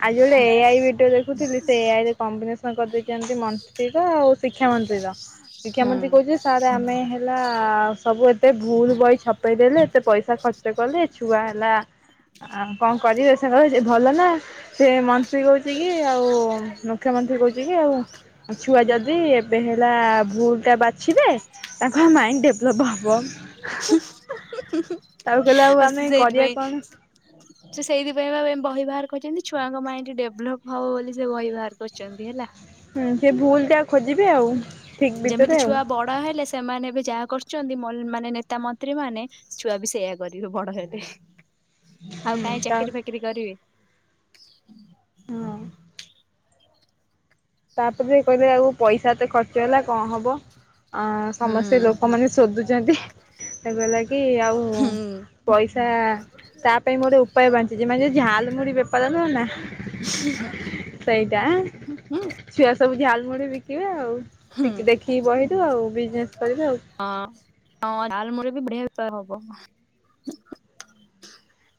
ଆଜି ଗୋଟେ ଏ ଆଇ ଭଡିଓ ଦେଖୁଥିଲି ସେ ଏ ଆଇ ରେ କମ୍ବିନେସନ୍ କରିଦେଇଚନ୍ତି ମନ୍ତ୍ରୀର ଆଉ ଶିକ୍ଷା ମନ୍ତ୍ରୀର। ଶିକ୍ଷାମନ୍ତ୍ରୀ କହୁଚି ଯେ ସାର୍ ଆମେ ହେଲା ସବୁ ଏ ସେ ଭୁଲ୍ ବହି ଛପେଇଦେଲେ ଏତେ ପଇସା ଖର୍ଚ୍ଚ କଲେ ଛୁଆ ହେଲା ଆ କଣ କରିବେ ସେ କହୁଚି ଭଲ ନା ସେ ମନ୍ତ୍ରୀ କହୁଚି କି ଆଉ ମୁଖ୍ୟମନ୍ତ୍ରୀ କହୁଚି କି [unintelligible] ଛୁଆ ଯଦି ଏବେ ହେଲା ଭୁଲ୍ ଟା ବାଛିବେ ତାଙ୍କ ମାଇଣ୍ଡି ଡେଭଲପ୍ ହବ। [unintelligible] ଅ ତାକୁ କହିଲେ ଆଉ ଆମେ କରିବା ସେଇଥିପାଇଁ କଣ? ସେ ସେଇଥିପାଇଁ ପା ଏଇ ବହି ବାହାର କରିଛନ୍ତି ଛୁଆଙ୍କ ମାଇଣ୍ଡି ଡେଭଲପ୍ ହବ ବୋଲି ସେ ବହି ବାହାର କରିଛନ୍ତି ହେଲା। ହୁଁ ସେ ଭୁଲ୍ ଟା କୁ ଯେମିତି ଛୁଆ ବଡ଼ ହେଲେ ସେମାନେ ଏବେ ଯାହା କରୁ ଚନ୍ତି ମ ମାନେ ନେତା ମନ୍ତ୍ରୀ ମାନେ ଛୁଆ ବି ସେଇଆ କରିବେ ବଡ଼ ହେଲେ। ଆଉ ହୁଁ କାଇଁ ତା ଚାକିରି ଫାକିରି କରିବେ। ହଁ [inaudible] ତାପରେ କହିବେ ଆଉ ପଇସା ଏତେ ଖର୍ଚ୍ଚ ହେଲା କଣ ହବ? ଆଁ ହୁଁ ସମସ୍ତେ ଲୋକମାନେ ସୋଦୁଚନ୍ତି ସେ କହିଲା କି ଆଉ ହୁଁ। ପଇସା ତା ତା ପାଇଁ ମୁଁ ଗୋଟେ ଉପାୟ ପାଞ୍ଚିଚି ମାନେ ଝାଲ୍ ମୁୁଢ଼ି ବେପାର ନୁହଁ ନା [unintelligible] ସେଇଟା ହୁଁ। ଛୁଆ ସବୁ ଝାଲମୁଢ଼ି ବିକିବେ ଆଉ [unintelligible] ହୁଁ ଦେଖି ବହିରୁ ଆଉ ବିଜନେସ୍ ହଁ ହଁ ଝାଲମୁଢି଼ ବି ବଢ଼ିଆ ବେପାର ହବ।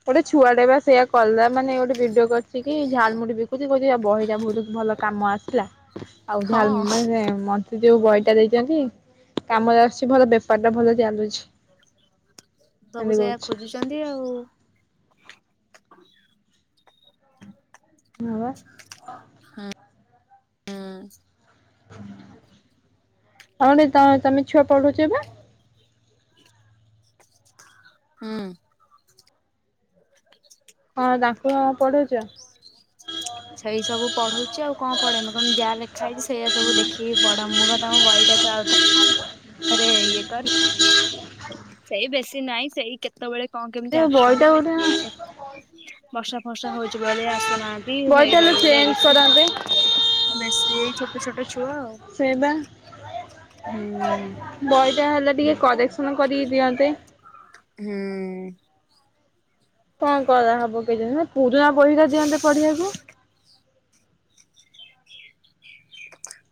ଗୋଟେ ଛୁଆଟେ ବା ସେଇଆ କଲା ମାନେ ଗୋଟେ ଭିଡ଼ିଓ କରିଚି କି ଝାଲ୍ ମୁୁଢ଼ି ବିକୁଚି କହୁଚି ବହିଟା ବହୁତ୍ ଭଲ କାମ ଆସିଲା। ଆଉ ହଁ। ଝାଲ୍ ମାନେ ମ ତେ ଯୋଉ ବହିଟା ଦେଇଛନ୍ତି କାମରେ ଆସୁଛି ଭଲ ବେପାର ଟା ଭଲ ଚାଲୁଛି। ସବୁ ଏମିତି ସେଇଆ କହୁଛି ଖୋଜୁଚନ୍ତି ଆଉ। [inaudible] ହଁ ପା। ହଁ ହଁ। ଆଉ ଗୋଟେ ତମେ ଛୁଆ ପଢୁଛ ପା! ହୁଁ। ହଁ ତାଙ୍କୁ କଣ ପଢଉଛ? ସେଇ ସବୁ ପଢଉଛି ଆଉ କଣ ପଢେ ମୁଁ ତମେ ଯାହା ଲେଖା ହେଇଛି ସେଇଆ ସବୁ ଦେଖିକି ପଢା ମୁଁ କଥା ମ ବହି ଟା ବାକୁ ଆଉଥରେ ଆରେ ଇଏ କର ସେଇ ବେଶୀ ନାଇଁ ସେଇ କେତେବେଳେ କଣ ସେ କେମିତି ବହିଟା ଗୋଟେ ଆସୁଛନ୍ତି। ବର୍ଷା ଫର୍ଷା ହଉଛି ବେଳେ ଆସୁନାହାନ୍ତି ବହିଟା ସେଇ ହେଲେ ବେଳେ ବେଳେ ଚେଞ୍ଜ ବେଶୀ କରନ୍ତେ ବେଶୀ ଏଇ ଛୋଟ ଛୋଟ ଛୁଆ ସେ ବା ଆଉ ହୁଁ। ବହି ଟା ହେଲେ ଟିକେ କରେକ୍ସନ କରିକି ଦିଅନ୍ତେ। ହୁଁ। କଣ କରା ହବ କେଜାଣି ହେ ପୁରୁଣା ବହିଟା ଦିଅନ୍ତେ ପଢ଼ିବାକୁ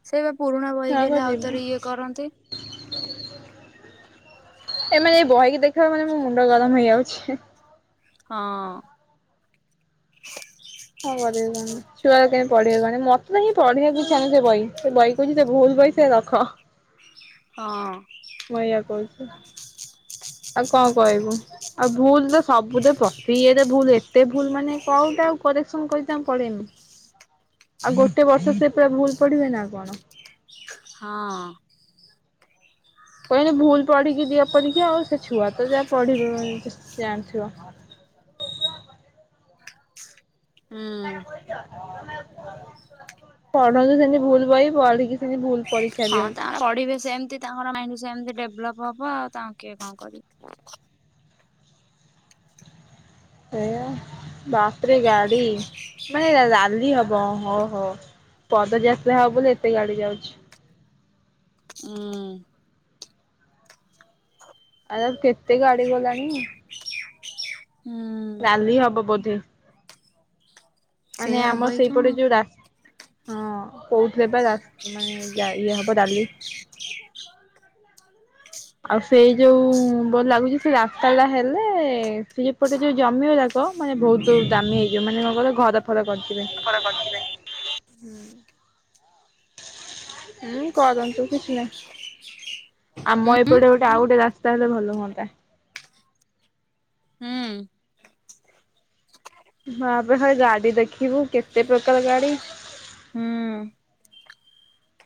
ସେଇ ପା ପୁରୁଣା ବହିକି ଛୁଆଙ୍କ ହେଲେ ଆଉ ଜୀବ ଥରେ ଇଏ କରନ୍ତି। [inaudible] ଏମାନେ ଏଇ ବହିକି ଦେଖିବା ମାନେ ମୋ ମୁଣ୍ଡ ଗରମ ହେଇଯାଉଛି। ହଁ। [inaudible] କଣ କରିବେ ତାହାନେ ଛୁଆ ପଢିବାକୁ କହେ ମତେ ତ କାହିଁ ପଢିବାକୁ ଇଛା ନାହିଁ ସେ ବହି ସେ ବହି କହୁଛି ସେ ଭୁଲ୍ ବହି କି ସେ ରଖ। ହଁ। ମୁଁ ଏଇଆ କହୁଛି ଆଉ କଣ କହିବୁ ଆଉ ଭୁଲ୍ ତ ସବୁଟା ପ୍ରତିଇଏରେ ଭୁଲ୍ ଏତେ ଭୁଲ୍ ମାନେ କୋଉଟା କୁ ଆଉ କରେକ୍ସନ୍ କରି ତାଙ୍କୁ ପଢ଼େଇମୁ। [inaudible] ଆଉ ଗୋଟେ ବର୍ଷ ସେ ପୁରା ଭୁଲ୍ ପଢ଼ିବେ ନା କଣ? ହଁ କହିନି ଭୁଲ୍ ପଢିକି ଦିଅ ପରିକ୍ଷା ଆଉ ସେ ଛୁଆ ତ ଯାହା ପଢିବ ଜାଣିଥିବ। [inaudible] ହଁ। [inaudible] ପଢନ୍ତୁ ସେମି ଭୁଲ ବହି ପଢିକି ସେମିତି ଭୁଲ ପରୀକ୍ଷା ହଁ ଦିଅନ୍ତୁ। ତାଙ୍କ ପଢିବେ ସେମତି ତାଙ୍କର ମାଇଣ୍ଡ ସେମତି ଡେଭଲପ ହବ ଆଉ ତାଙ୍କୁ କିଏ କଣ କରିବ। ଏୟା ବାପରେ ଗାଡି! ମାନେ ରାଲି ହବ ହ ହଉ, ପଦଯାତ୍ରା ହବ ବୋଲି ଏତେ ଗାଡି ଯାଉଛି। ହୁଁ। ଆ କେତେ ଗାଡି ଗଲାଣି ହୁଁ ରାଲି ହବ ବୋଧେ? ମାନେ ସେଇଆ ହବ ଆମର ଏଇ କଣ ସେଇପଟେ ଯୋଉ ରା, ହଁ କୋଉଥିଲେ ବା ରା ମାନେ ଯ ଇଏ ହବ ରାଲି। ଆଉ ସେଇ ଯୋଉ ବ ଲାଗୁଛି ସେ ରାସ୍ତା ଟା ହେଲେ, ସେ ଯପଟେ ଯୋଉ ଜମି କହ ମାନେ ବହୁତ ଦାମୀ ହେଇଯିବ ମାନେ କ କହ ଘର ଫଲ [unintelligible] ହୁଁ କରନ୍ତୁ କିଛି ନାହିଁ। ହୁଁ। ଆମ ଏପଟେ ଗୋଟେ ଆଉ ଗୋଟେ ରାସ୍ତା ହେଲେ ଭଲ ହୁଅନ୍ତା। ହୁଁ। ହଁପ ହରେ ଗାଡି ଦେଖିବୁ କେତେ ପ୍ରକାର ଗାଡି ହୁଁ।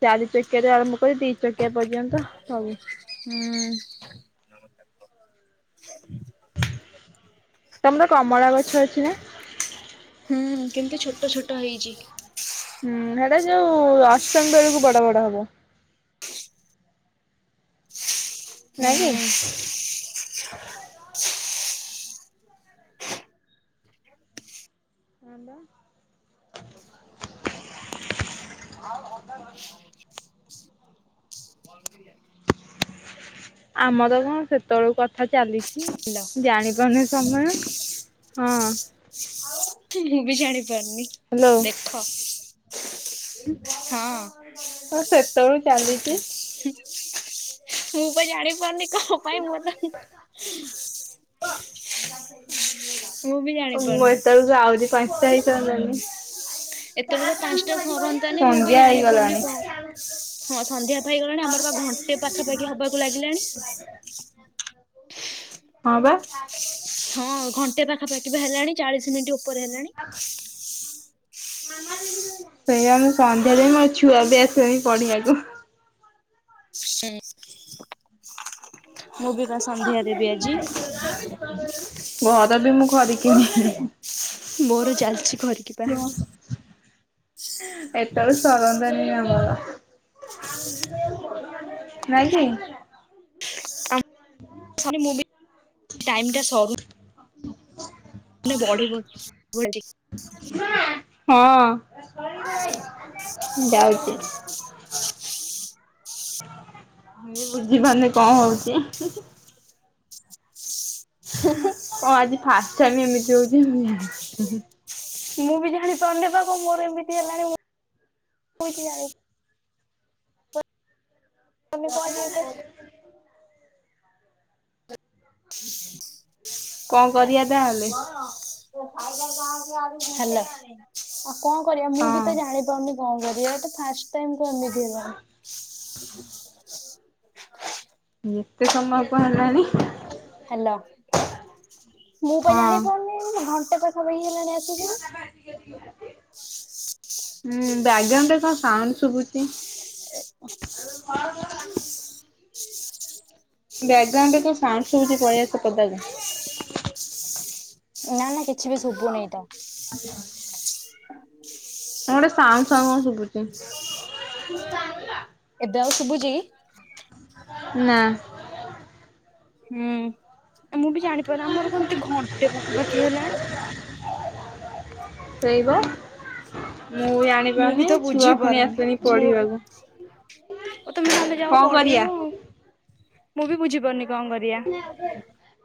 ଚାରି ଚକିଆରୁ ଆରମ୍ଭ କରି ଦି ଚକିଆ ପର୍ଯ୍ୟନ୍ତ ସବୁ। ହୁଁ। ତମର କମଳା ଗଛ ଅଛି ନା? ହୁଁ କିନ୍ତୁ ଛୋଟ ଛୋଟ ହେଇଛି। ସେ ଯୋଉ ଅଷ୍ଟମୀ ବେଳକୁ ବଡ ବଡ ହବ। ନାଇଁ କିି! ହାଲୋ ନାଁ ବା। [unintelligible] ହଁ ଆମର ନୁହଁ ସେତେବେଳୁ କଥା ଚାଲିଛି। ଜାଣିପାରୁନି ସମୟ ହଁ। ମୁଁ ବି ଜାଣିପାରୁନି ଦେଖ। ହଁ ହଁ ସେତେଳୁ ଚାଲିଛି। ମୁଁ ପା ଜାଣିପାରୁନି କଣ ପାଇଁ ମୁଁ ତ ମୁଁ ବି ଜାଣି ପାରୁନି। ଆଉରି ପାଞ୍ଚଟା [unintelligible] ଏତେଳକୁ ପାଞ୍ଚଟା ସରନ୍ତାଣି ମୁଁ ବି ସନ୍ଧ୍ୟା ଜାଣି ପାରୁନି ହେଇଗଲାଣି। କଣ ହଁ ସନ୍ଧ୍ୟା ହେଇଗଲାଣି ଆମର ବା ଘଣ୍ଟେ ପାଖାପାଖି ହବାକୁ ଲାଗିଲାଣି। ହଁ ବା। ହଁ ଘଣ୍ଟେ ପାଖାପାଖି ବା ହେଲାଣି ଚାଳିଶ ମିନିଟ ଉପରେ ହେଲାଣି। ସେଇଆ ମୁଁ ସନ୍ଧ୍ୟା ଦିଏ ମୋର ଛୁଆ ବି ଆସିବେଣି ପଢିଆକୁ। ବି ବା ମୁଁ ପଚ ଆସ ସନ୍ଧ୍ୟାରେ ବି ହେଇ ଆଜି [unintelligible] ଘର ବି ମୁଁ ଖରିକି ନାହିଁ। ମୋର ଚାଲିଛି ଘରିକିବା। ଏତବେଳୁ ସରନ୍ତାଣି ଆମ ନାଇଁ କି! ମୁଁ ଟାଇମ ଟା ସରୁ ହ [unintelligible] ବଢ଼ିବ ନିହାତି। ହଁ ଯାଉଛି। ମୁଁ ବୁଝ୍ ଝିପାରୁନି କଣ ହଉଛି। କଣ ଆଜି ଫାଷ୍ଟ ଟାଇମି ଏମିତି ହଉଛି ମୁଁ ଜାଣିପାରୁନି। ମୁଁ ବି ଜାଣି ପାରୁନି ବା ମୋର ଏମିତି ହେଲାଣି ମୁଁ କିଛି ଜାଣି ତମେ କଣ ଆଜି ଏତେ [inaudible] କଣ କରିଆ ତାହଲେ ହାଲୋ, ଆଉ କଣ କରିବା ମୁଁ ବି ହଁ ତ ଜାଣିପାରୁନି କଣ କରିବା ଏଟା ଫାଷ୍ଟ ଟାଇମି ତ ଏମିତି ହେଲାଣି ଏତେ ସମୟ କଁ ହେଲଣି? ହ୍ୟାଲୋ ମୁଁ ପା ହଁ। ଜାଣି ପାରୁନି ଘଣ୍ଟେ ପାଖା ପାଖି ହେଲାଣି ଆସିକି। ହୁଁ ବ୍ୟାଗ୍ରାଉଣ୍ଡରେ କଣ ସାଉଣ୍ଡ ଶୁଭୁଛି? [inaudible] ବ୍ୟାଗ୍ରାଉଣ୍ଡରେ କଣ ସାଉଣ୍ଡ ଶୁବୁଛି ପଳେଇ ଆସ ପଦାକୁ। ନା ନା କିଛି ବି ଶୁଭୁନେଇ ତ। କଣ ଗୋଟେ ସାଉଁ ସାଉଁ କଣ ଶୁଭୁଛି। ଏବେ ଆଉ ଶୁଭୂଚି କି? ନା ହୁଁ। ଆ ମୁଁ ବି ଜାଣିପାରୁନି ଆମର କଣ ଏମତି ଘଣ୍ଟେ ପାଖାପାଖି ହେଲାଣି। ସେଇ ପ। ମୁଁ ମୁଁ ବି ଜାଣିପାରୁନି ତ ବୁଝି ଛୁଆ ପୁଣି ଆସିଲେଣି ପଢିବାକୁ। ହଉ ତମେ ତାହଲେ ଯାଅ କଣ କରିବା। ପଢେଇବ ଆଉ ମୁଁ ବି ବୁଝିପାରୁନି। କଣ କରିବା।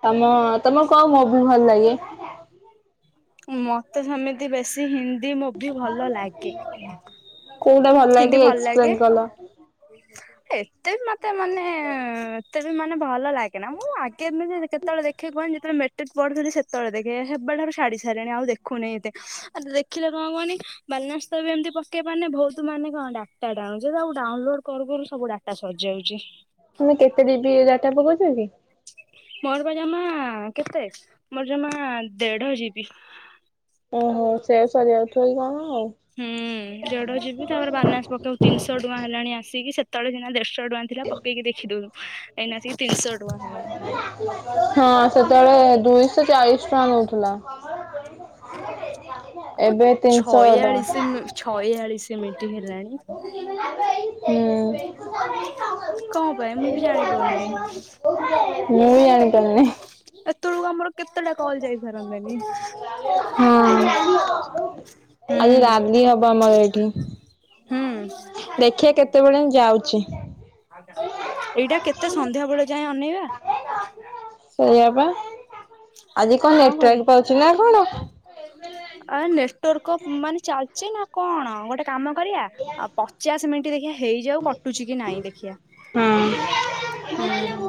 ତମ ତମ କଣ ମୁଭି ଭଲ ଲାଗେ? ମତେ ସେମିତି ବେଶୀ ହିନ୍ଦ ନ୍ଦୀ ମୁଭି ଭଲ ଲାଗେ, କୋଉଟା ଭଲ ଲାଗେ ହିନ୍ଦୀ ଟିକେ ଭଲ ଏକ୍ସପ୍ଲେନ ଲାଗେ। କଲ। ଏତେ ମତେ ମାନେ ଏତେ ବି ମାନେ ଭଲ ଲାଗେ ନା ମୁଁ ଆଗେ ଏମତି କେତେବେଳେ ଦେଖେ କୁହନି ଯେତେବେଳେ ମେଟ୍ରିକ୍ ପଢୁଥିଲି ସେତେବେଳେ ଦେଖେ। [unintelligible] ଛିଡି ଚି। ଲାଣି ଆଉ ଦେଖୁନି ଏତେ ଆ ଦେଖିଲେ କଣ କୁହନି ବାଲନାସ୍ ବି ଏମିତି ପକେଇ ପାରୁନି ବହୁତ ମାନେ କ ହଁ ଡାଟା ଟା ଆଉ ଡାଉନଲୋଡ କରୁ କରୁ ସବୁ ଡାଟା ସରିଯାଉଚି। ତମେ କେତେ ଡିବି ଡାଟା ପକଉଛ କି ମୋର ବା ଜମା କେତେ ମୋର ଜମା ଦେଢ ଯିବି। ଓହୋ ସେଆ ସରିଜାଉଥି ବ ନା କଣ? ଆଉ। ହୁଁ ଦେଢ଼ଯିବି ତାପରେ ବାଲାନସ ପକେଇକୁ ତିନିଶହ ଟଙ୍କା ହେଲାଣି ଆସିକି ସେତେବେଳେ ସିନା ଦେଢ଼ ତୁରୀ ଟଙ୍କା ଥିଲା ପକେଇକି ଦେଖିଦଉନୁ ଏଇନା ଆସିକି ତିନିଶହ ଟଙ୍କା ହେଲାଣି। ହଁ ସେତେବେଳେ ଦୁଇଶହ ଚାଳିଶ ଟଙ୍କା ନଉଥିଲା। ଆ କ ଏବେ ତିନିଶହ ଟଙ୍କା। ଛୟାଳିଶ ମି ଛୟୋଳିଶ। ତେ ମୀନିଟି ହେଲାଣି। ହୁଁ। କଣ ପାଇଁ ମୁଁ ବି ଜାଣିପାରୁନି। ମୁ ବି ଜାଣି ପାରୁନି। ଏ ତେଳକୁ ଆମର କେତେ ଟା କଲ୍ ଯାଇ ସାରନ୍ତାଣି। ହଁ। ହୁଁ। ହୁଁ ଦେଖିବା କେତେବେଳ ଯାଏଁ ଯାଉଚି। ଏଇଟା କେତେ ସନ୍ଧ୍ୟା ବେଳ ଯାଏ ଅନେଇବା? ସେଇଆ ପା। ଆଜି କଣ ନେଟାୱେକ୍ ପାଉଚି ନା କଣ? ତୋର କଣ ମାନେ ଚାଲିଚି ନା କଣ ଗୋଟେ କାମ କରିବା ଆଉ ପଚାଶ ମିନିଟ ହେଇଯାଉ କଟୁଛି କି ନାଇଁ ଦେଖିବା। ହୁଁ ହୁଁ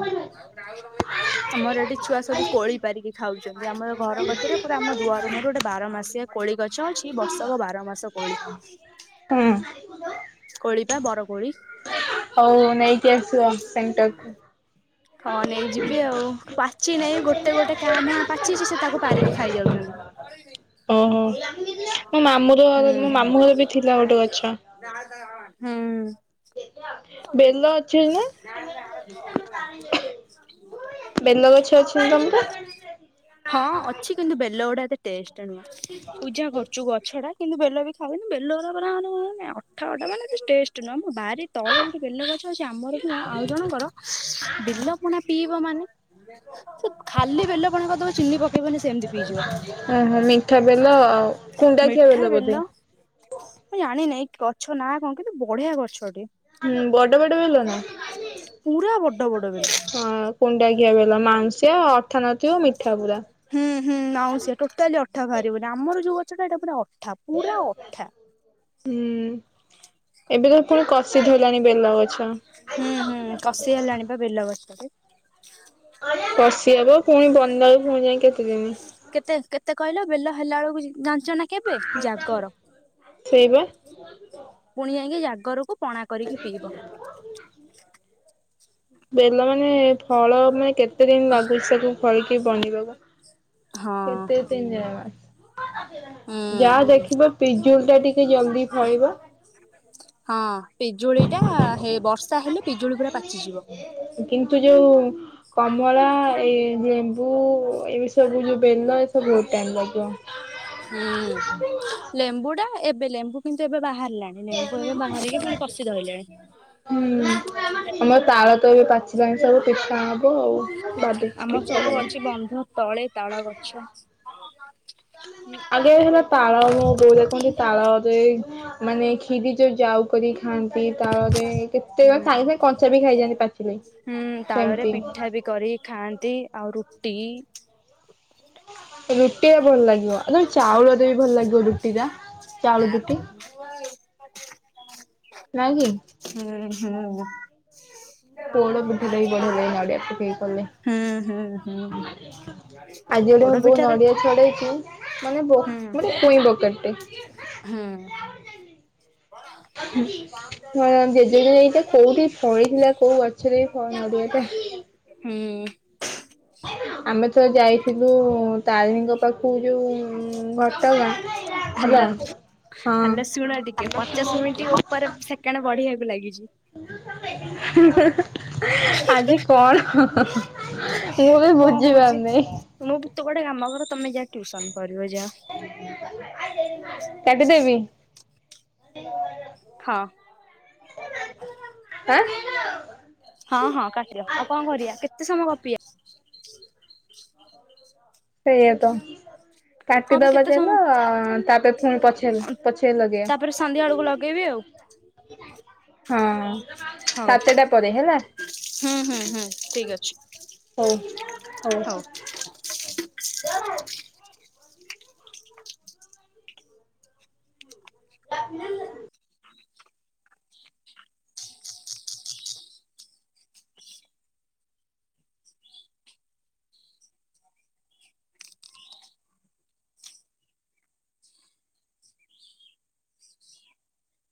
ଆମର ଏଠି ଛୁଆ ସବୁ କୋଳି ପାରିକି ଖାଉଚନ୍ତି ଆମର ଘର କତରେ ପୁରା ଆମ ଦୁଆର ମୁଁହରୁ ଗୋଟେ ବାରମାସିଆ କୋଳି ଗଛ ଅଛି ବର୍ଷକ ବାର ମାସ କୋଳି। [inaudible] କୋଳି ପା ବର କୋଳି। ହଉ ନେଇକି ଆସିବ ସେଣ୍ଟର କୁ। ହଁ ନେଇଯିବି ଆଉ ପାଚି ନାଇ ଗୋ ଟେ ଗୋଟେ କାଁ ଭାଁ ପାଚିଚି ସେ ତାକୁ ପାରିକି ଖାଇଯାଉଚନ୍ତି। ଓହୋ ମୋ ମାମୁଁର ହୁଁ। ମୋ ମାମୁଁ ଘରେବି ଥିଲା ଗୋଟେ ଗଛ। ହୁଁ। ବେଲଗଛ ଅଛି। ନା ତମର? ହଁ ଅଛି କିନ୍ତୁ ବେଲ ଗୁଡା ଏତେ ଟେଷ୍ଟ ତେନୁ ପୂଜା କରୁଚୁ ଗଛ ଟା କିନ୍ତୁ ବେଲ ବି ଖାଉନୁ ବେଲ ଗୂରା ପରା ମାନେ ଅଠା ଅଟା ମାନେ ତେ ଟେଷ୍ଟ ନୁହଁ। ବାରି ତଳେ ଗୋଟେ ବେଲ ଗଛ ଅଛି ଆମର ନୁହଁ ଆଉ ଜଣଙ୍କର ବେଲ ପଣା ପିଇବ ମାନେ ସେ ଖାଲି ବେଲ ପଣା କରିଦବ ଚିନି ପକେଇବନି ସେମିତି ପିଇଯିବ। ଓହୋ ମିଠା ବେଲ ଆଉ, କୁଣ୍ଡା ଖିଆ ବେଲ ବୋଧେ। ମୁଁ ଜାଣିନେଇ ଗଛ ନା କଁ କିନ୍ତୁ ବଢିଆ ଗଛ ଟିଏ। ହୁଁ ବଡ ବଡ ବେଲ ନା? ପୁରା ବଡ ବଡ ବେଲ। ହଁ କୁଣ୍ଡା ଖିଆ ବେଲ ମାଂଉସିଆ ହୁଁ ହୁଁ ମାଁଉସିଆ ଟୋଟାଲି ଅଠା ବାହାରିବନି, ଆମର ଯୋଉ ଅ ସେଟା ଏଟା ପୁରା ଅଠା ପୁରା ଅଠା। ହୁଁ ଏବେକା ପୁଣି କସିି ଧଇଲାଣି ବେଲଗ ହୁଁ ହୁଁ କଷି ହେଲାଣିିପା ବେଲ ଗଛରେ। କସି ହବ ପୁଣି ବନାଲାକୁ ଫୁଣି ଯାଇ କେତେଦିନି। କେତେ କେତେ କହିଲ ବେଲ ହେଲା ଅଳକୁ ଯି ଜାଣିଚ ନା କେବେ ଜାଗର, ସେଇବା। ପୁଣି ଯାଇଁକି ଜାଗରକୁ ପଣା କରିକି ପିଇବ। ବେଲ ମାନେ ଫଳ ମାନେ କେତେ ଦିନ୍ ଲାଗୁଚି ତାକୁ ଫଳିକି ବନିବାକୁ? ହଁ କେତେ ତିନ୍ ଯମା ହୁଁ। ଯାହା ଦେଖିବ ପିଜୁଳିଟା ଟିକେ ଜଲଦି ଫଳିବ। ହଁ ପିଜୁଳିଟା ହେ ବର୍ଷା ହେଲେ ପିଜୁଳି ପୁରା ପାଚିଯିବ। କିନ୍ତୁ ଯୋଉ କମଳା ଏଇ ଯେମ୍ ବୁ ଏଇ ସବୁ ଯୋଉ ଯୋଉ ବେଲ ଏସବୁ ବୋହୁତ୍ ଟାଇମ ଲାଗିବ। ହୁଁ ଲେମ୍ବୁଟା ଏବେ ଲେମ୍ବୁ କିନ୍ତୁ ଏବେ ବାହାର ହୁଁ ଆମର ତାଳ ଳ ଏବେ ପାଚିଲାଣି ସବୁ ପିଠା ହ ହବ ଆଉ ଭାବିଚି ଆମର ପିଠା ସବୁ ଅଛି କରିମି। ବନ୍ଧ ତଳେ ତାଳ ଗଛ। ତାଳ ମୋ ବୋଉ ଦେଖନ୍ତି ତାଳରେ ମାନେ କ୍ଷୀରି ଯୋଉ ଯାଉ କରିକି ଖାଆନ୍ତି ତାଳରେ କେତୋଳେ ହୁଁ ସାଙ୍ଗେ ସାଙ୍ଗେ କଞ୍ଚା ବି ଖାଇଯାଆନ୍ତି ପାଚିଲେ। ହୁଁ ତାଳରେ ସେମିତି ପିଠା ବି କରିିକି ଖାଆନ୍ତି ଆଉ ରୁଟି ରୁଟି ଆ ଭଲ ଲାଗିବ ଏତଳେ ଚାଉଳରେ ବି ଭଲ ଲାଗିବ ରୁଟି ଯା। [inaudible] ନା କି ହୁଁ ହୁଁ। ପୋଡ ପିଠାଟା ବି ବଢିଆ ହୁଁ ଲାଗେ ନଡିଆ ପକେଇକି କଲେ। ହୁଁ ହୁଁ। ଯେଉଁଠୁ ମୁଁ ପୋଡ ବୋଉ ପିଠାଟା ନଡିଆ ଛଡେଇଚି ମାନେ ବୋ ହୁଁ ମାନେ ଚୁଇଁ ବକଟଟେ। ବର। ହଁ ଜେଜେ ବି ଏଇଟା କୋଉଠି ଫଳିଥିଲା କୋଉ ଗଛରେ ଏଇ ଫ ନଡିଆଟା? ହୁଁ। ଆମେ ଥରେ ଯାଇଥିଲୁ ତାରିଣୀଙ୍କ ପାଖକୁ ଯୋଉ ଉଁ ଘଟଗାଁ। ହେଲା। ହାଲୋ ହଁ ହାଲୋ ଶୁଣ ଟିକେ ପଚାଶ ମିନଟି ଓପରେ ସେକେଣ୍ଡ ବଢିବାକୁ ଲାଗି ହାଁ ହାଁ ହାଁ ଆଜି କଣ? ମୁଁ ବି ବୁଝି ପାରୁନେଇ। ତୁ ଗୋଟେ କାମ କର ତମେ ଯା ଟ୍ୟୁସନ କରି କାଟିଦେବି? ହଁ। ଆଁ? ହଁ ହଁ କାଟିଦିଅ ଆଉ କଣ କରିଆ କେତେ ସମୟ ଗପିଆ? ସେଇଆ ତ। ହଁ ବା କାଟିଦବା କେତେ ସମୟ ଚାଲ ତାପରେ ଫୁଣି ପଛରେ ପଛେ ଲଗେଇଆ। ତାପରେ ସନ୍ଧ୍ୟା ବେଳକୁ ଲଗେଇବି [inaudible] ହଁ। ହୋଉ ସାତଟା ପରେ ହୁଁ ହେଲା ହୁଁ ହୁଁ ଠିକ ଅଛି। ହୋଉ ହଉ। ହୋଉ। [inaudible] [unintelligible]